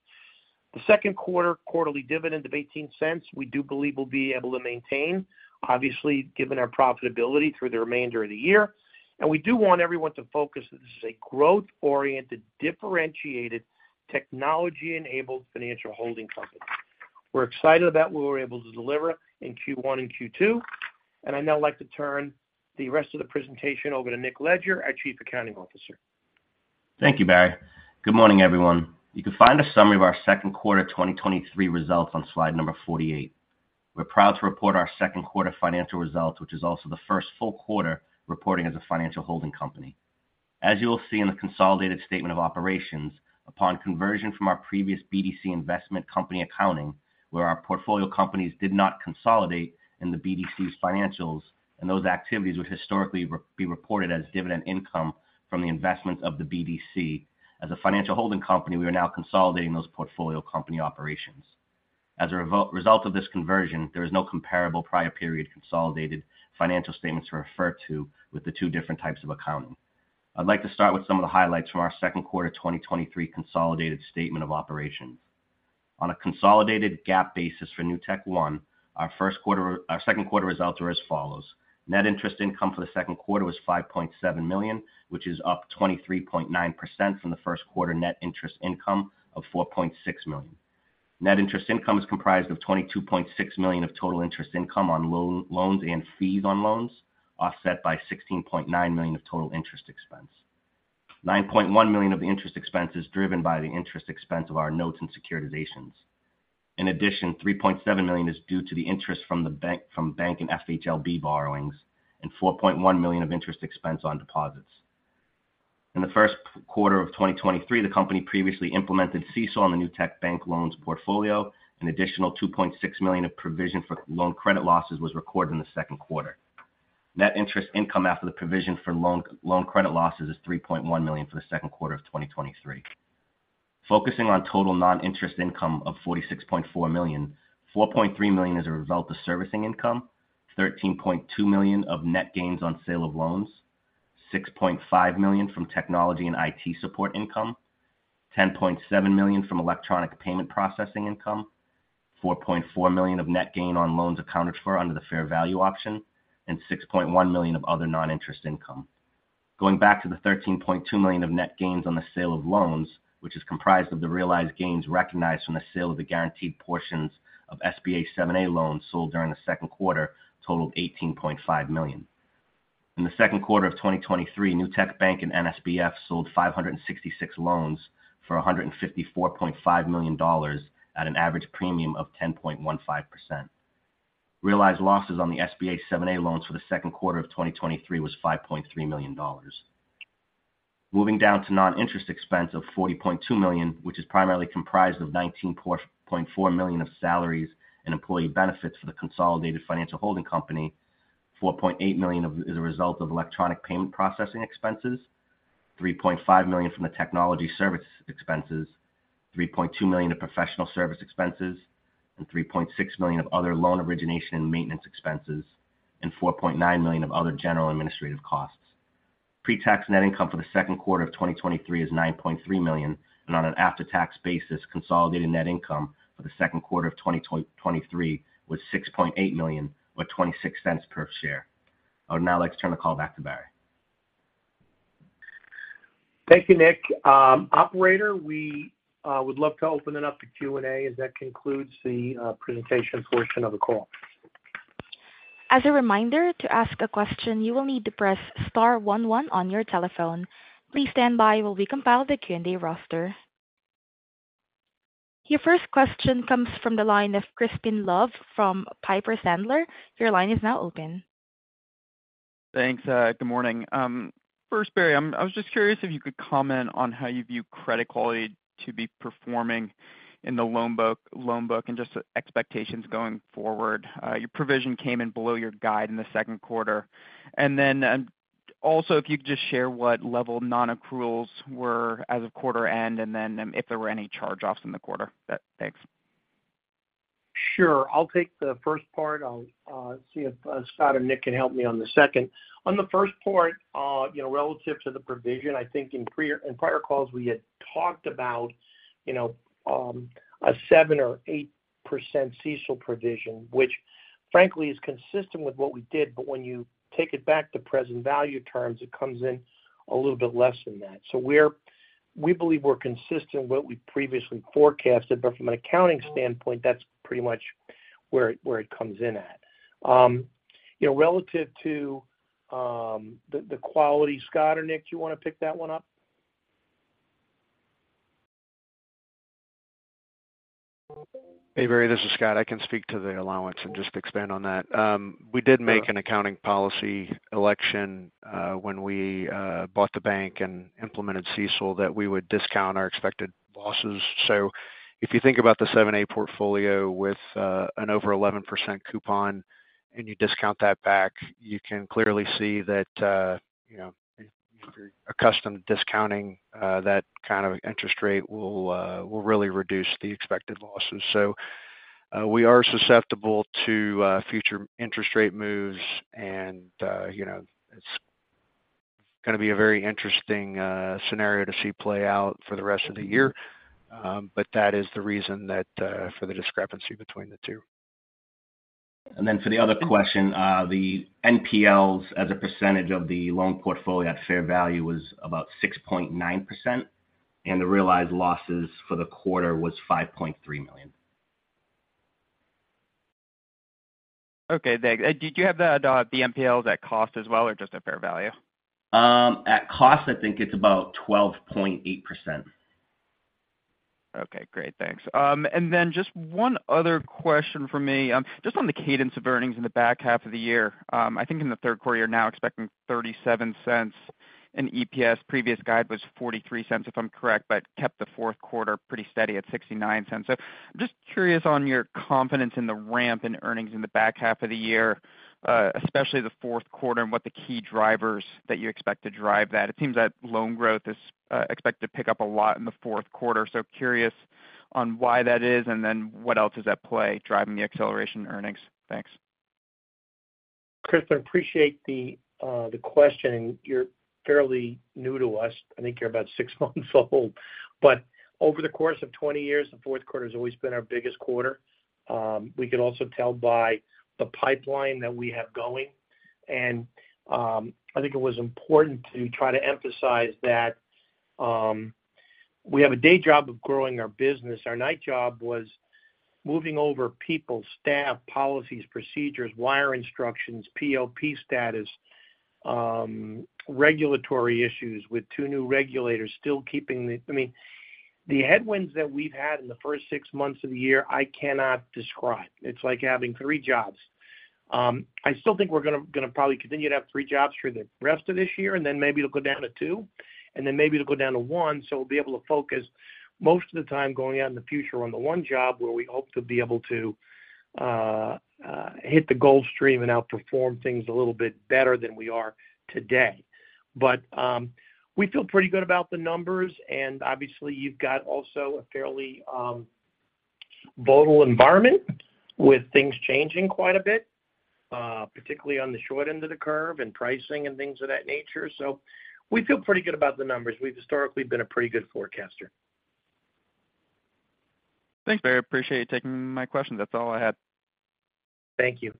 The second quarter quarterly dividend of $0.18, we do believe we'll be able to maintain, obviously, given our profitability through the remainder of the year. We do want everyone to focus, this is a growth-oriented, differentiated, technology-enabled financial holding company. We're excited about what we were able to deliver in Q1 and Q2. I'd now like to turn the rest of the presentation over to Nick Leger, our Chief Accounting Officer. Thank you, Barry. Good morning, everyone. You can find a summary of our second quarter 2023 results on slide number 48. We're proud to report our second quarter financial results, which is also the first full quarter reporting as a financial holding company. As you will see in the consolidated statement of operations, upon conversion from our previous BDC investment company accounting, where our portfolio companies did not consolidate in the BDC's financials, and those activities would historically be reported as dividend income from the investments of the BDC. As a financial holding company, we are now consolidating those portfolio company operations. As a result of this conversion, there is no comparable prior period consolidated financial statements to refer to with the two different types of accounting. I'd like to start with some of the highlights from our second quarter 2023 consolidated statement of operations. On a consolidated GAAP basis for NewtekOne, our second quarter results are as follows: Net interest income for the second quarter was $5.7 million, which is up 23.9% from the first quarter net interest income of $4.6 million. Net interest income is comprised of $22.6 million of total interest income on loans and fees on loans, offset by $16.9 million of total interest expense. $9.1 million of interest expense is driven by the interest expense of our notes and securitizations. In addition, $3.7 million is due to the interest from bank and borrowings, and $4.1 million of interest expense on deposits. In the first quarter of 2023, the company previously implemented CECL on the Newtek Bank loans portfolio. An additional $2.6 million of provision for loan credit losses was recorded in the second quarter. Net interest income after the provision for loan, loan credit losses is $3.1 million for the second quarter of 2023. Focusing on total non-interest income of $46.4 million, $4.3 million is a result of servicing income, $13.2 million of net gains on sale of loans, $6.5 million from technology and IT support income, $10.7 million from electronic payment processing income, $4.4 million of net gain on loans accounted for under the fair value option, and $6.1 million of other non-interest income. Going back to the $13.2 million of net gains on the sale of loans, which is comprised of the realized gains recognized from the sale of the guaranteed portions of SBA 7(a) loans sold during the 2Q, totaled $18.5 million. In the 2Q of 2023, Newtek Bank and NSBF sold 566 loans for $154.5 million at an average premium of 10.15%. Realized losses on the SBA 7(a) loans for the 2Q of 2023 was $5.3 million. Moving down to non-interest expense of $40.2 million, which is primarily comprised of $19.4 million of salaries and employee benefits for the consolidated financial holding company. $4.8 million is a result of electronic payment processing expenses, $3.5 million from the technology service expenses, $3.2 million to professional service expenses, and $3.6 million of other loan origination and maintenance expenses, and $4.9 million of other general administrative costs. Pre-tax net income for the second quarter of 2023 is $9.3 million. On an after-tax basis, consolidated net income for the second quarter of 2023 was $6.8 million, or $0.26 per share. I would now like to turn the call back to Barry. Thank you, Nick. Operator, we would love to open it up to Q&A, as that concludes the presentation portion of the call. As a reminder, to ask a question, you will need to press star one one on your telephone. Please stand by while we compile the Q&A roster. Your first question comes from the line of Crispin Love from Piper Sandler. Your line is now open. Thanks, good morning. First, Barry, I was just curious if you could comment on how you view credit quality to be performing in the loan book, loan book and just expectations going forward. Your provision came in below your guide in the second quarter. Then, also, if you could just share what level nonaccruals were as of quarter end, then, if there were any charge-offs in the quarter. Thanks. Sure. I'll take the first part. I'll see if Scott and Nick can help me on the second. On the first part, you know, relative to the provision, I think in prior calls, we had talked about, you know, a 7% or 8% CECL provision, which frankly, is consistent with what we did. When you take it back to present value terms, it comes in a little bit less than that. We believe we're consistent with what we previously forecasted, but from an accounting standpoint, that's pretty much where it comes in at. You know, relative to the quality, Scott or Nick, you want to pick that one up? Hey, Barry, this is Scott. I can speak to the allowance and just expand on that. We did make an accounting policy election when we bought the bank and implemented CECL, that we would discount our expected losses. If you think about the Seven A portfolio with an over 11% coupon and you discount that back, you can clearly see that, you know, if you're accustomed to discounting, that kind of interest rate will really reduce the expected losses. We are susceptible to future interest rate moves, and, you know, it's gonna be a very interesting scenario to see play out for the rest of the year. That is the reason that for the discrepancy between the two. Then for the other question, the NPLs as a percentage of the loan portfolio at fair value was about 6.9%, and the realized losses for the quarter was $5.3 million. Okay, did you have the NPLs at cost as well, or just at fair value? At cost, I think it's about 12.8%. Okay, great. Thanks. Just one other question for me. Just on the cadence of earnings in the back half of the year. I think in the third quarter, you're now expecting $0.37, and EPS previous guide was $0.43, if I'm correct, but kept the fourth quarter pretty steady at $0.69. Just curious on your confidence in the ramp in earnings in the back half of the year, especially the fourth quarter and what the key drivers that you expect to drive that. It seems that loan growth is expected to pick up a lot in the fourth quarter. Curious on why that is, and then what else is at play, driving the acceleration earnings? Thanks. Chris, I appreciate the question. You're fairly new to us. I think you're about six months old, but over the course of 20 years, the fourth quarter's always been our biggest quarter. We can also tell by the pipeline that we have going, and I think it was important to try to emphasize that we have a day job of growing our business. Our night job was moving over people, staff, policies, procedures, wire instructions, PLP status, regulatory issues with two new regulators, still keeping the... I mean, the headwinds that we've had in the first six months of the year, I cannot describe. It's like having three jobs. I still think we're gonna, gonna probably continue to have three jobs for the rest of this year, and then maybe it'll go down to two, and then maybe it'll go down to one. We'll be able to focus most of the time going out in the future on the one job where we hope to be able to hit the gold stream and outperform things a little bit better than we are today. We feel pretty good about the numbers, and obviously, you've got also a fairly volatile environment with things changing quite a bit, particularly on the short end of the curve and pricing and things of that nature. We feel pretty good about the numbers. We've historically been a pretty good forecaster. Thanks, Barry. I appreciate you taking my question. That's all I had. Thank you.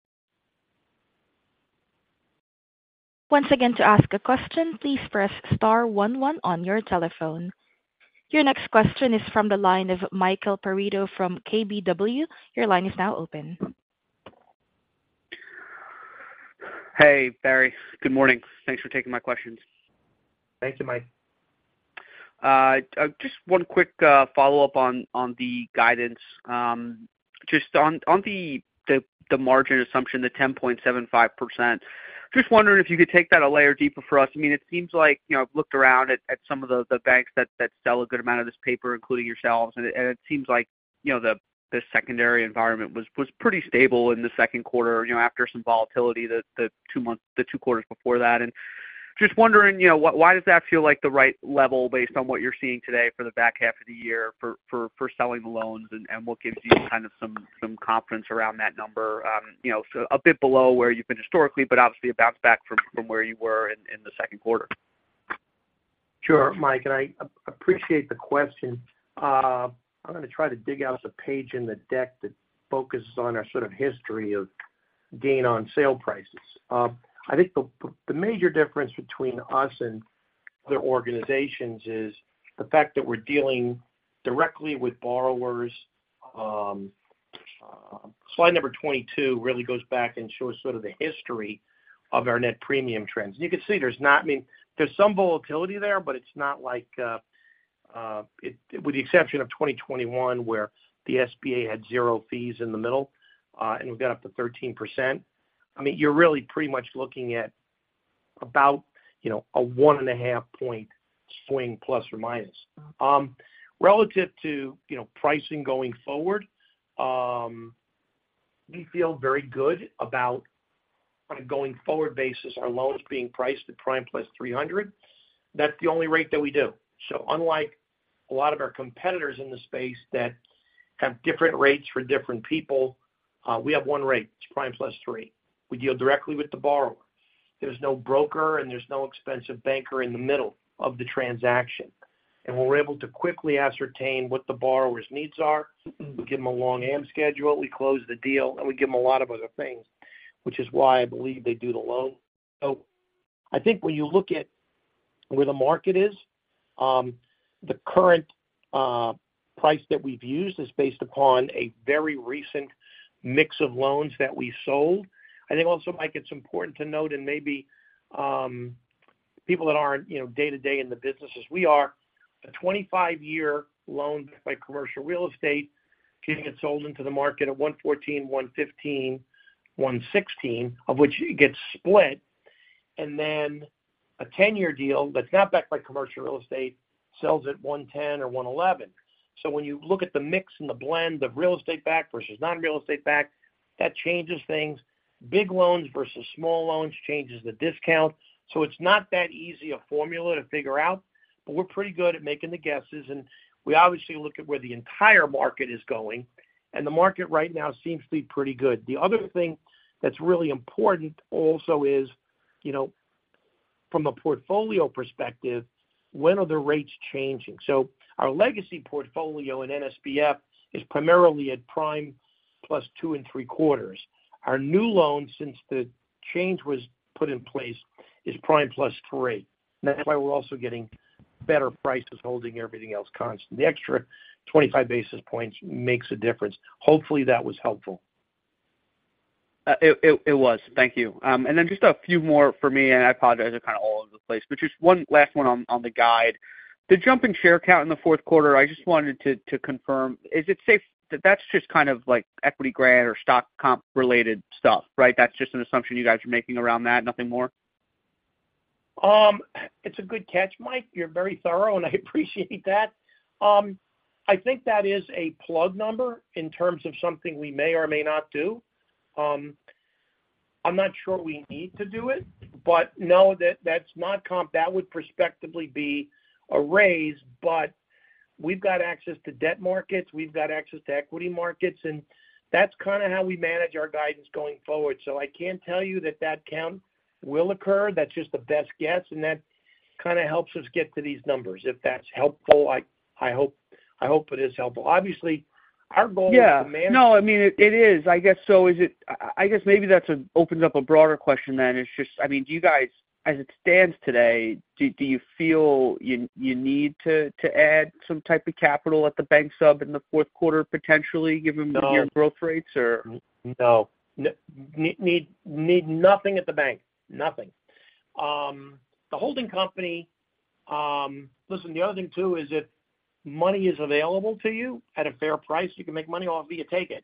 Once again, to ask a question, please press star one, one on your telephone. Your next question is from the line of Michael Perito from KBW. Your line is now open. Hey, Barry. Good morning. Thanks for taking my questions. Thank you, Mike. Just one quick follow-up on, on the guidance. Just on, on the, the, the margin assumption, the 10.75%. Just wondering if you could take that a layer deeper for us. I mean, it seems like, you know, I've looked around at, at some of the, the banks that, that sell a good amount of this paper, including yourselves, and it, and it seems like, you know, the, the secondary environment was, was pretty stable in the second quarter, you know, after some volatility, the, the two months, the two quarters before that. Just wondering, you know, why, why does that feel like the right level based on what you're seeing today for the back half of the year for, for, for selling the loans, and, and what gives you kind of some, some confidence around that number? you know, a bit below where you've been historically, but obviously a bounce back from, from where you were in, in the second quarter. Sure, Mike, and I appreciate the question. I'm gonna try to dig out a page in the deck that focuses on our sort of history of gain on sale prices. I think the, the, the major difference between us and other organizations is the fact that we're dealing directly with borrowers. Slide number 22 really goes back and shows sort of the history of our net premium trends. You can see there's not, I mean, there's some volatility there, but it's not like, with the exception of 2021, where the SBA had zero fees in the middle, and we've got up to 13%. I mean, you're really pretty much looking at about, you know, a 1.5 point swing plus or minus. Relative to, you know, pricing going forward, we feel very good about on a going-forward basis, our loans being priced at prime plus 300. That's the only rate that we do. Unlike a lot of our competitors in the space that have different rates for different people, we have one rate, it's prime plus three. We deal directly with the borrower. There's no broker, there's no expensive banker in the middle of the transaction, we're able to quickly ascertain what the borrower's needs are, we give them a long am schedule, we close the deal, we give them a lot of other things, which is why I believe they do the loan. I think when you look at where the market is, the current price that we've used is based upon a very recent mix of loans that we sold. I think also, Mike, it's important to note, and maybe people that aren't, you know, day-to-day in the business as we are, a 25-year loan by commercial real estate, getting it sold into the market at $1.14, $1.15, $1.16, of which it gets split, and then a 10-year deal that's not backed by commercial real estate sells at $1.10 or $1.11. When you look at the mix and the blend, the real estate-backed versus non-real estate-backed, that changes things. Big loans versus small loans changes the discount. It's not that easy a formula to figure out, but we're pretty good at making the guesses, and we obviously look at where the entire market is going, and the market right now seems to be pretty good. The other thing that's really important also is, you know, from a portfolio perspective, when are the rates changing? Our legacy portfolio in NSBF is primarily at prime plus two and three quarters. Our new loan, since the change was put in place, is prime plus three. That's why we're also getting better prices, holding everything else constant. The extra 25 basis points makes a difference. Hopefully, that was helpful. It, it, it was. Thank you. And then just a few more for me, and I apologize, they're kind of all over the place, but just one last one on, on the guide. The jumping share count in the fourth quarter, I just wanted to, to confirm, is it safe that that's just kind of like equity grant or stock comp related stuff, right? That's just an assumption you guys are making around that, nothing more? It's a good catch, Mike. You're very thorough, and I appreciate that. I think that is a plug number in terms of something we may or may not do. I'm not sure we need to do it, but no, that, that's not comp. That would prospectively be a raise, but we've got access to debt markets, we've got access to equity markets, and that's kind of how we manage our guidance going forward. I can't tell you that that count will occur. That's just the best guess, and that kind of helps us get to these numbers, if that's helpful. I, I hope, I hope it is helpful. Obviously, our goal... Yeah. No, I mean, it, it is. I guess so. Is it... I guess maybe that's opens up a broader question then. It's just, I mean, do you guys, as it stands today, do, do you feel you, you need to, to add some type of capital at the bank sub in the fourth quarter, potentially, given? No. your growth rates, or? No. need, need nothing at the bank. Nothing. The holding company. Listen, the other thing, too, is if money is available to you at a fair price, you can make money off of it, you take it.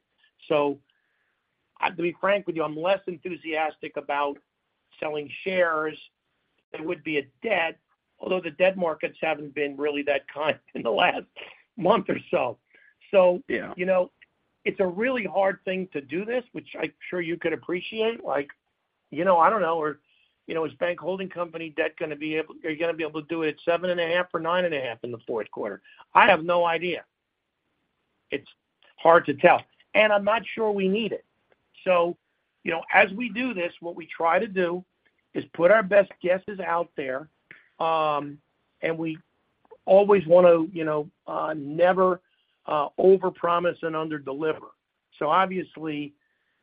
I to be frank with you, I'm less enthusiastic about selling shares. It would be a debt, although the debt markets haven't been really that kind in the last month or so. Yeah. You know, it's a really hard thing to do this, which I'm sure you could appreciate. Like, you know, I don't know, or, you know, is bank holding company debt gonna be able to do it at 7.5 or 9.5 in the fourth quarter? I have no idea. It's hard to tell, and I'm not sure we need it. You know, as we do this, what we try to do is put our best guesses out there, and we always want to, you know, never overpromise and underdeliver. Obviously,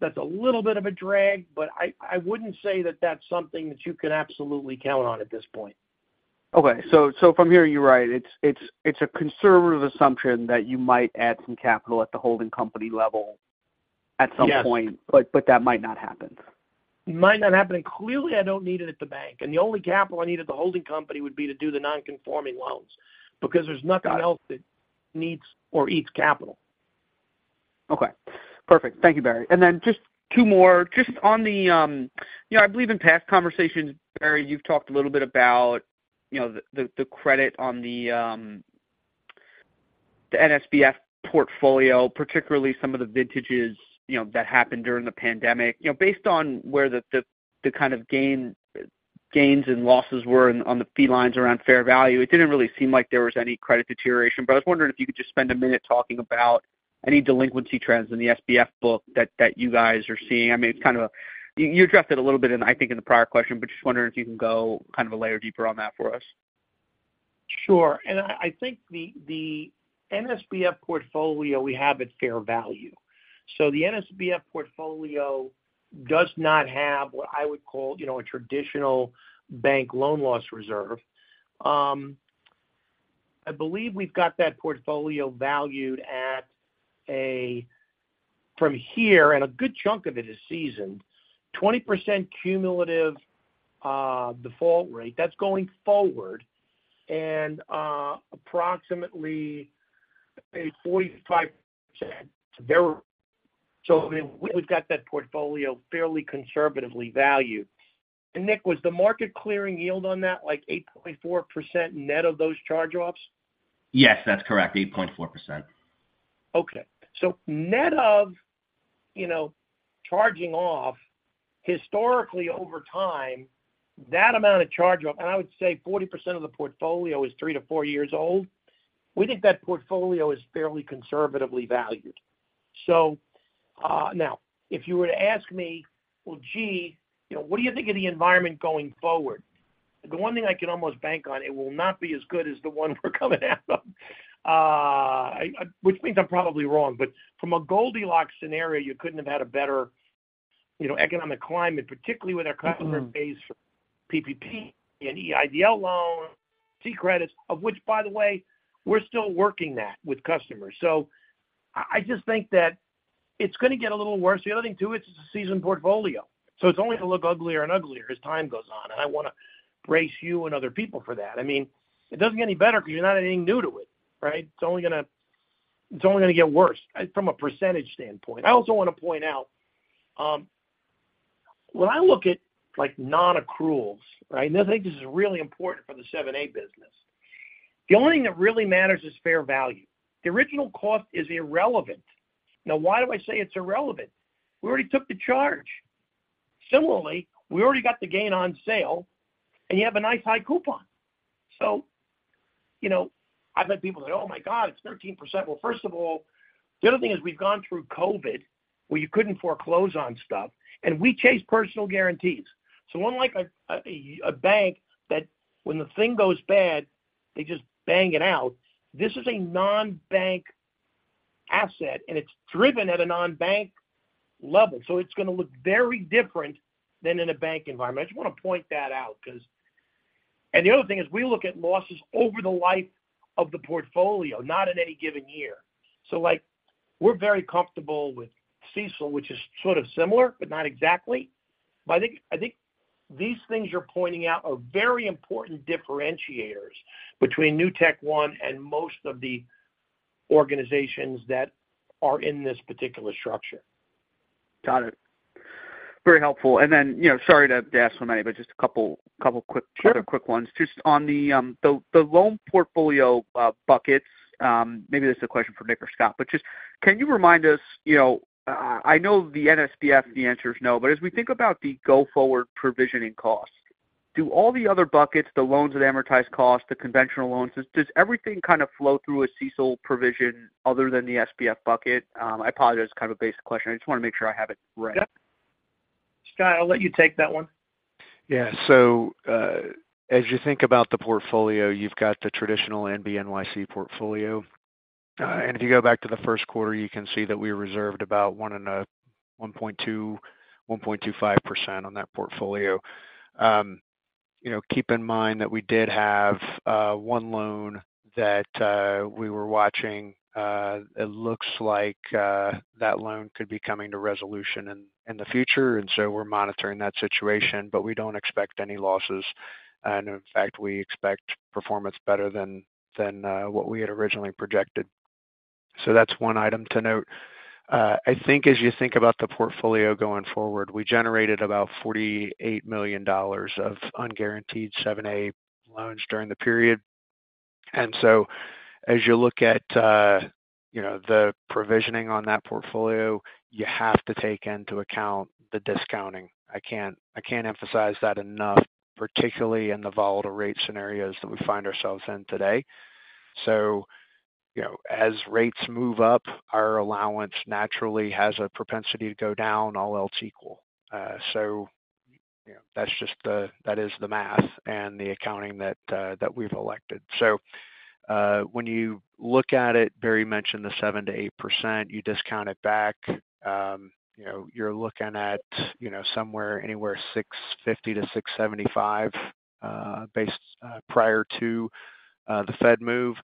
that's a little bit of a drag, but I, I wouldn't say that that's something that you can absolutely count on at this point. Okay. From hearing you right, it's, it's, it's a conservative assumption that you might add some capital at the holding company level at some point. Yes. That might not happen. It might not happen. Clearly, I don't need it at the bank. The only capital I need at the holding company would be to do the non-conforming loans, because there's nothing else. Got it. that needs or eats capital. Okay, perfect. Thank you, Barry. Just two more. Just on the, you know, I believe in past conversations, Barry, you've talked a little bit about, you know, the, the, the credit on the, the NSBF portfolio, particularly some of the vintages, you know, that happened during the pandemic. You know, based on where the, the, the kind of gain, gains and losses were on the fee lines around fair value, it didn't really seem like there was any credit deterioration. I was wondering if you could just spend 1 minute talking about any delinquency trends in the SBF book that, that you guys are seeing. I mean, You, you addressed it a little bit in, I think, in the prior question, but just wondering if you can go kind of a layer deeper on that for us. Sure, I, I think the, the NSBF portfolio we have at fair value. The NSBF portfolio does not have what I would call, you know, a traditional bank loan loss reserve. I believe we've got that portfolio valued at a, from here, and a good chunk of it is seasoned, 20% cumulative, default rate. That's going forward and approximately a 45% there. We've got that portfolio fairly conservatively valued. Nick, was the market clearing yield on that, like, 8.4 net of those charge-offs? Yes, that's correct, 8.4%. Okay. Net of, you know, charging off, historically over time, that amount of charge off, and I would say 40% of the portfolio is three to four years old. We think that portfolio is fairly conservatively valued. Now, if you were to ask me, well, gee, you know, what do you think of the environment going forward? The one thing I can almost bank on, it will not be as good as the one we're coming out of. Which means I'm probably wrong, but from a Goldilocks scenario, you couldn't have had a better, you know, economic climate, particularly with our customer base, PPP and EIDL loans, C credits, of which, by the way, we're still working that with customers. I, I just think that it's gonna get a little worse. The other thing, too, it's a seasoned portfolio, so it's only going to look uglier and uglier as time goes on, and I want to brace you and other people for that. I mean, it doesn't get any better because you're not adding new to it, right? It's only gonna get worse, from a percentage standpoint. I also want to point out, when I look at, like, non-accruals, right? I think this is really important for the 7(a) business. The only thing that really matters is fair value. The original cost is irrelevant. Why do I say it's irrelevant? We already took the charge. Similarly, we already got the gain on sale, and you have a nice high coupon. You know, I've had people say, "Oh, my God, it's 13%!" Well, first of all, the other thing is we've gone through COVID, where you couldn't foreclose on stuff, and we chase personal guarantees. Unlike a, a, a bank, that when the thing goes bad, they just bang it out. This is a non-bank asset, and it's driven at a non-bank level, so it's gonna look very different than in a bank environment. I just want to point that out because. The other thing is we look at losses over the life of the portfolio, not in any given year. Like, we're very comfortable with CECL, which is sort of similar, but not exactly. I think, I think these things you're pointing out are very important differentiators between NewtekOne and most of the organizations that are in this particular structure. Got it. Very helpful. You know, sorry to ask so many, but just a couple, couple quick- Sure. Other quick ones. Just on the loan portfolio buckets, maybe this is a question for Nick or Scott, but just can you remind us, you know, I know the NSBF, the answer is no. But as we think about the go-forward provisioning costs, do all the other buckets, the loans that amortize costs, the conventional loans, does everything kind of flow through a CECL provision other than the SBF bucket? I apologize, it's kind of a basic question. I just want to make sure I have it right. Scott, I'll let you take that one. Yeah. as you think about the portfolio, you've got the traditional NBNYC portfolio. and if you go back to the first quarter, you can see that we reserved about 1.2%, 1.25% on that portfolio. you know, keep in mind that we did have one loan that we were watching. it looks like that loan could be coming to resolution in, in the future, and so we're monitoring that situation, but we don't expect any losses. And in fact, we expect performance better than, than what we had originally projected. That's one item to note. I think as you think about the portfolio going forward, we generated about $48 million of unguaranteed 7(a) loans during the period. So as you look at, you know, the provisioning on that portfolio, you have to take into account the discounting. I can't, I can't emphasize that enough, particularly in the volatile rate scenarios that we find ourselves in today. As rates move up, our allowance naturally has a propensity to go down, all else equal. That's just the that is the math and the accounting that we've elected. When you look at it, Barry mentioned the 7%-8%. You discount it back, you know, you're looking at, you know, somewhere, anywhere, $650-$675, based prior to the Fed move.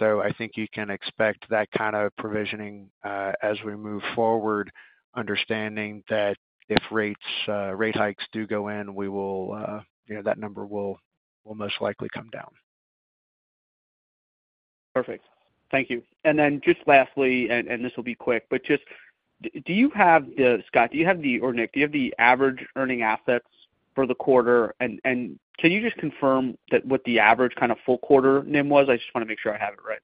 I think you can expect that kind of provisioning, as we move forward, understanding that if rates, rate hikes do go in, we will, you know, that number will, will most likely come down. Perfect. Thank you. Then just lastly, and this will be quick, but just do you have Scott, do you have the, or Nick, do you have the average earning assets for the quarter? Can you just confirm that what the average kind of full quarter NIM was? I just want to make sure I have it right.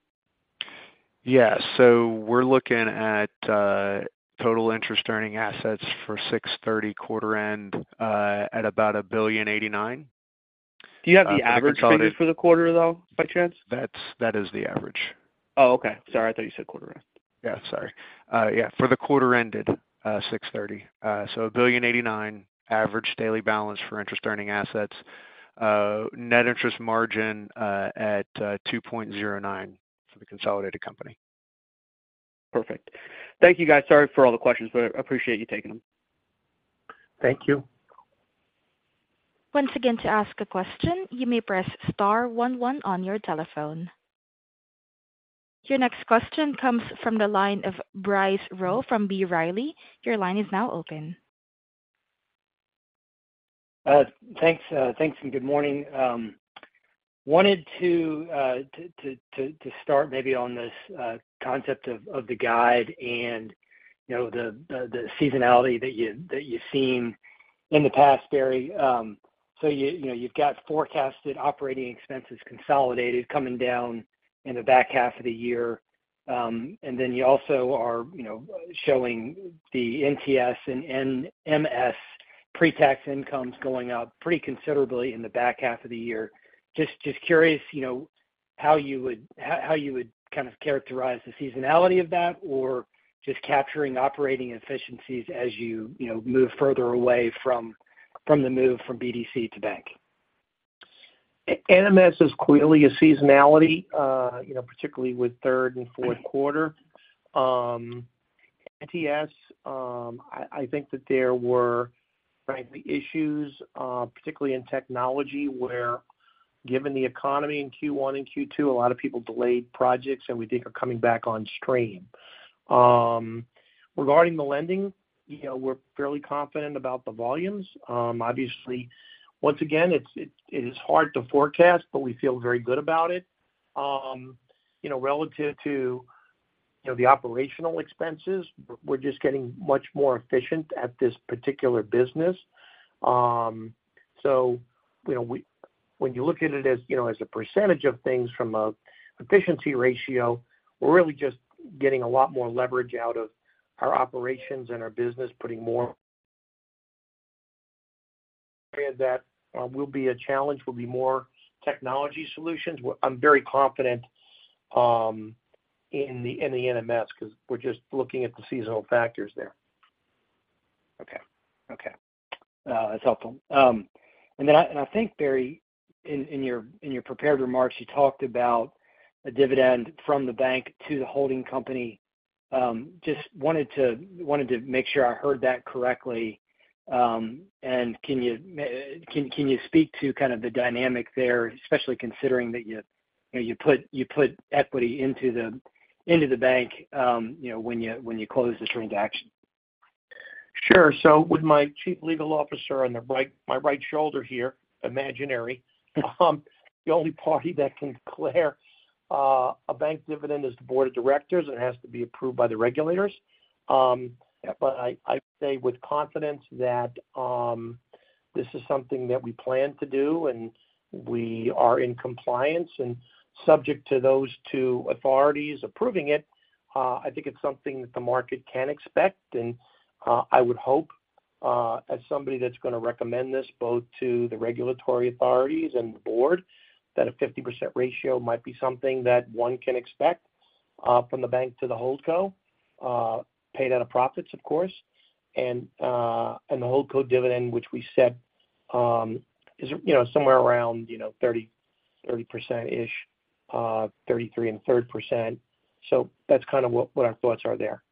Yeah. We're looking at total interest earning assets for June 30 quarter end at about $1.089 billion. Do you have the average figure for the quarter, though, by chance? That's, that is the average. Oh, okay. Sorry, I thought you said quarter end. Yeah, sorry. Yeah, for the quarter ended June 30. $1.089 billion, average daily balance for interest earning assets. Net interest margin at 2.09% for the consolidated company. Perfect. Thank you, guys. Sorry for all the questions, but I appreciate you taking them. Thank you. Once again, to ask a question, you may press star one one on your telephone. Your next question comes from the line of Bryce Rowe from B. Riley. Your line is now open. Thanks, thanks, good morning. Wanted to start maybe on this concept of the guide and, you know, the seasonality that you've seen in the past, Barry. You, you know, you've got forecasted operating expenses consolidated, coming down in the back half of the year. You also are, you know, showing the NTS and NMS pre-tax incomes going up pretty considerably in the back half of the year. Just curious, you know, how you would kind of characterize the seasonality of that or just capturing operating efficiencies as you, you know, move further away from the move from BDC to bank? NMS is clearly a seasonality, you know, particularly with third and fourth quarter. NTS, I, I think that there were frankly, issues, particularly in technology, where given the economy in Q1 and Q2, a lot of people delayed projects and we think are coming back on stream. Regarding the lending, you know, we're fairly confident about the volumes. Obviously, once again, it's, it, it is hard to forecast, but we feel very good about it. You know, relative to, you know, the operational expenses, we're just getting much more efficient at this particular business. You know, we when you look at it as, you know, as a percentage of things from a efficiency ratio, we're really just getting a lot more leverage out of our operations and our business, putting more-...area that will be a challenge, will be more technology solutions. I'm very confident in the, in the NMS, because we're just looking at the seasonal factors there. Okay. Okay. That's helpful. Then I, and I think, Barry, in your prepared remarks, you talked about a dividend from the bank to the holding company. Just wanted to make sure I heard that correctly. Can you speak to kind of the dynamic there, especially considering that you, you know, you put equity into the bank, you know, when you close this transaction? Sure. With my Chief Legal Officer on the right, my right shoulder here, imaginary, the only party that can declare a bank dividend is the Board of Directors, and it has to be approved by the regulators. I, I say with confidence that this is something that we plan to do, and we are in compliance and subject to those two authorities approving it. I think it's something that the market can expect, and I would hope, as somebody that's gonna recommend this, both to the regulatory authorities and the board, that a 50% ratio might be something that one can expect from the bank to the HoldCo, paid out of profits, of course. The HoldCo dividend, which we said, is, you know, somewhere around, you know, 30%, 30%-ish, 33 and 1/3%. That's kind of what, what our thoughts are there.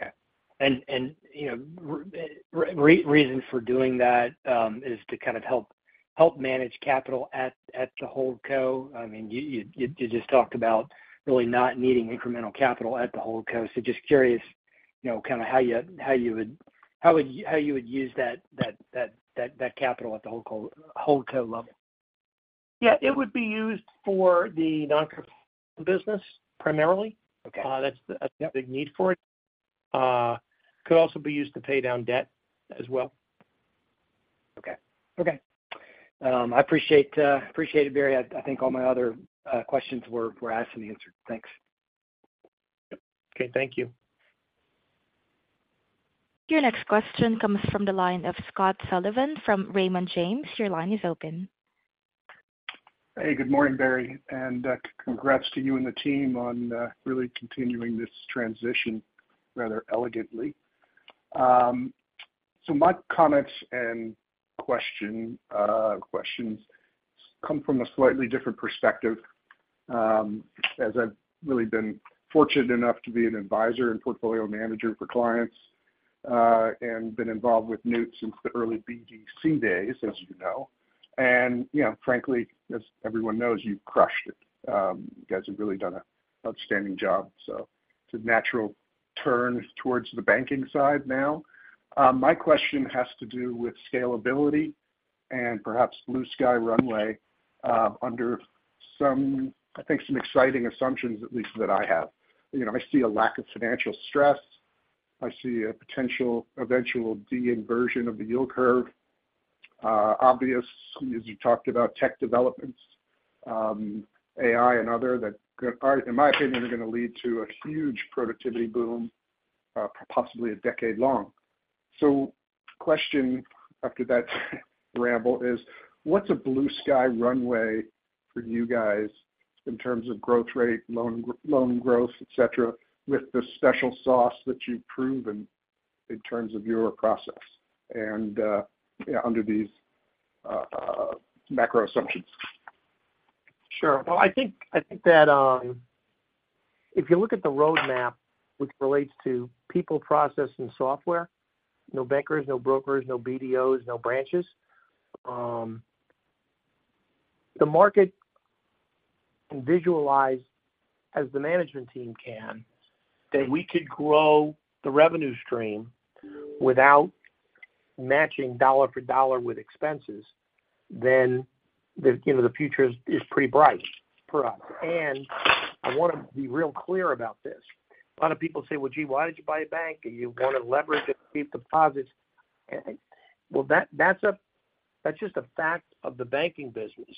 Okay. you know, reason for doing that, is to kind of help manage capital at the HoldCo. I mean, you just talked about really not needing incremental capital at the HoldCo. just curious, you know, kind of how you would use that capital at the HoldCo level? Yeah, it would be used for the non-core business, primarily. Okay. That's a big need for it. Could also be used to pay down debt as well. Okay. Okay. I appreciate, appreciate it, Barry. I, I think all my other questions were, were asked and answered. Thanks. Okay, thank you. Your next question comes from the line of Scott Sullivan from Raymond James. Your line is open. Hey, good morning, Barry, congrats to you and the team on really continuing this transition rather elegantly. So my comments and question, questions come from a slightly different perspective, as I've really been fortunate enough to be an advisor and portfolio manager for clients, and been involved with Newtek since the early BDC days, as you know. You know, frankly, as everyone knows, you've crushed it. You guys have really done a outstanding job, so it's a natural turn towards the banking side now. My question has to do with scalability and perhaps blue sky runway, under some, I think, some exciting assumptions, at least, that I have. You know, I see a lack of financial stress. I see a potential eventual de-inversion of the yield curve. Obvious, as you talked about, tech developments, AI and other that are, in my opinion, are gonna lead to a huge productivity boom, possibly a decade long. Question after that ramble is, what's a blue sky runway for you guys in terms of growth rate, loan, loan growth, et cetera, with the special sauce that you've proven in terms of your process and under these macro assumptions? Sure. Well, I think, I think that, if you look at the roadmap, which relates to people, process, and software, no bankers, no brokers, no BDOs, no branches. The market can visualize as the management team can, that we could grow the revenue stream without matching dollar for dollar with expenses, then the, you know, the future is, is pretty bright for us. I want to be real clear about this. A lot of people say, "Well, gee, why did you buy a bank? Do you want to leverage it to keep deposits?" Okay, well, that, that's just a fact of the banking business.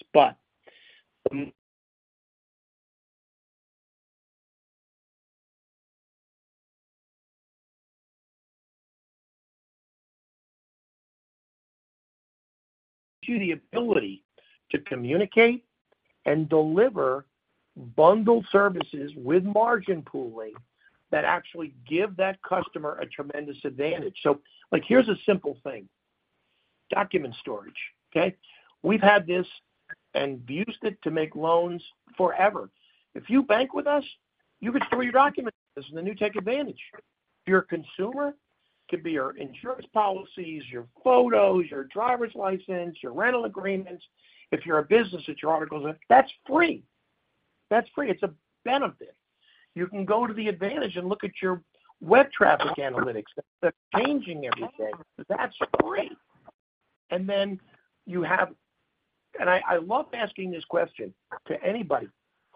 To the ability to communicate and deliver bundled services with margin pooling that actually give that customer a tremendous advantage. Like, here's a simple thing: document storage, okay? We've had this and used it to make loans forever. If you bank with us, you could store your documents and then you take advantage. If you're a consumer, could be your insurance policies, your photos, your driver's license, your rental agreements. If you're a business, it's your articles. That's free. That's free. It's a benefit. You can go to the advantage and look at your web traffic analytics. They're changing every day. That's free. Then you have.... I, I love asking this question to anybody: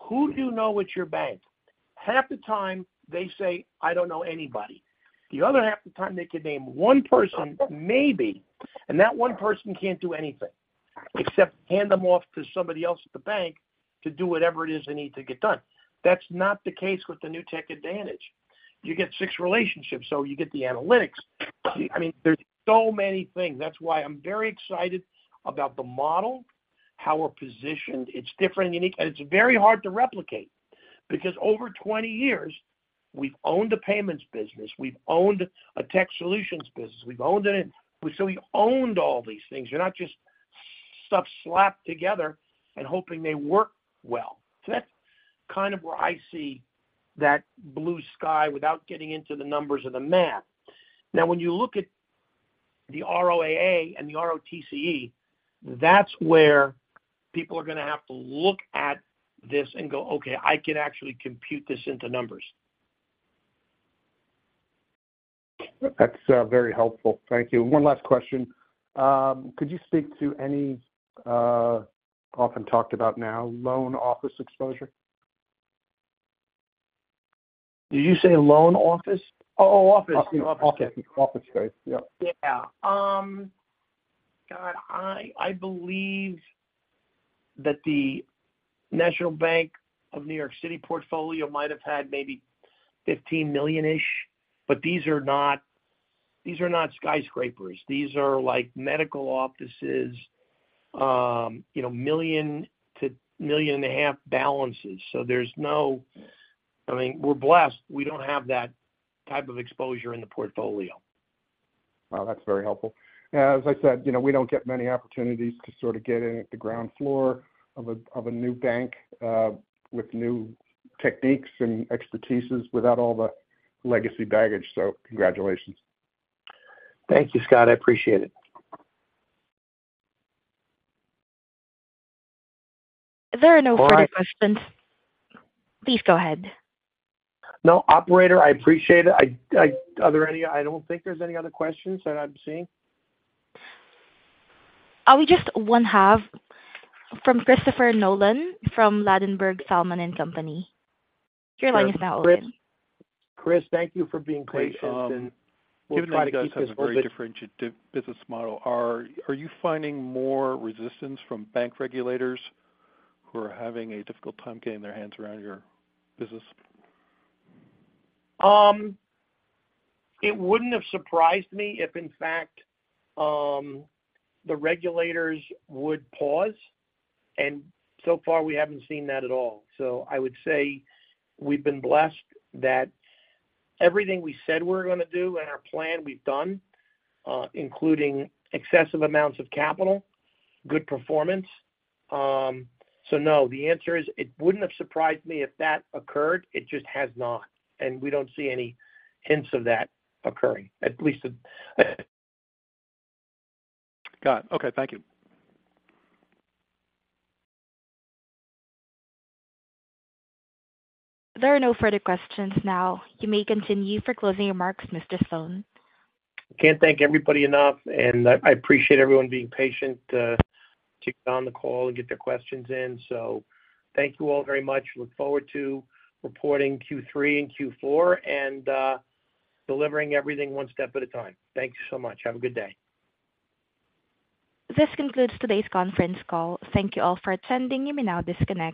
Who do you know at your bank? Half the time they say, "I don't know anybody." The other half the time, they can name one person, maybe, and that one person can't do anything.... except hand them off to somebody else at the bank to do whatever it is they need to get done. That's not the case with the Newtek Advantage. You get six relationships, so you get the analytics. I mean, there's so many things. That's why I'm very excited about the model, how we're positioned. It's different and unique, and it's very hard to replicate. Over 20 years, we've owned a payments business, we've owned a tech solutions business, we've owned it. We owned all these things. They're not just stuff slapped together and hoping they work well. That's kind of where I see that blue sky without getting into the numbers or the math. When you look at the ROAA and the ROTCE, that's where people are gonna have to look at this and go, okay, I can actually compute this into numbers. That's very helpful. Thank you. One last question. Could you speak to any, often talked about now, loan office exposure? Did you say loan office? Oh, office. Office. Office space. Yep. Yeah. God, I, I believe that the National Bank of New York City portfolio might have had maybe $15 million-ish, but these are not- these are not skyscrapers. These are like medical offices, you know, $1 million-$1.5 million balances. There's no... I mean, we're blessed. We don 't have that type of exposure in the portfolio. Well, that's very helpful. As I said, you know, we don't get many opportunities to sort of get in at the ground floor of a, of a new bank, with new techniques and expertises without all the legacy baggage. Congratulations. Thank you, Scott. I appreciate it. There are no further questions. Please go ahead. No, operator, I appreciate it. Are there any, I don't think there's any other questions that I'm seeing. We just one have from Christopher Nolan from Ladenburg Thalmann and Company. Your line is now open. Chris, thank you for being patient, and we'll try to keep this open. Given that you guys have a very differentiated business model, are you finding more resistance from bank regulators who are having a difficult time getting their hands around your business? It wouldn't have surprised me if, in fact, the regulators would pause, and so far we haven't seen that at all. I would say we've been blessed that everything we said we're gonna do and our plan, we've done, including excessive amounts of capital, good performance. No, the answer is it wouldn't have surprised me if that occurred. It just has not, and we don't see any hints of that occurring, at least. Got it. Okay, thank you. There are no further questions now. You may continue for closing remarks, Mr. Sloane. I can't thank everybody enough, and I, I appreciate everyone being patient to get on the call and get their questions in. Thank you all very much. Look forward to reporting Q3 and Q4, delivering everything one step at a time. Thank you so much. Have a good day. This concludes today's conference call. Thank you all for attending. You may now disconnect.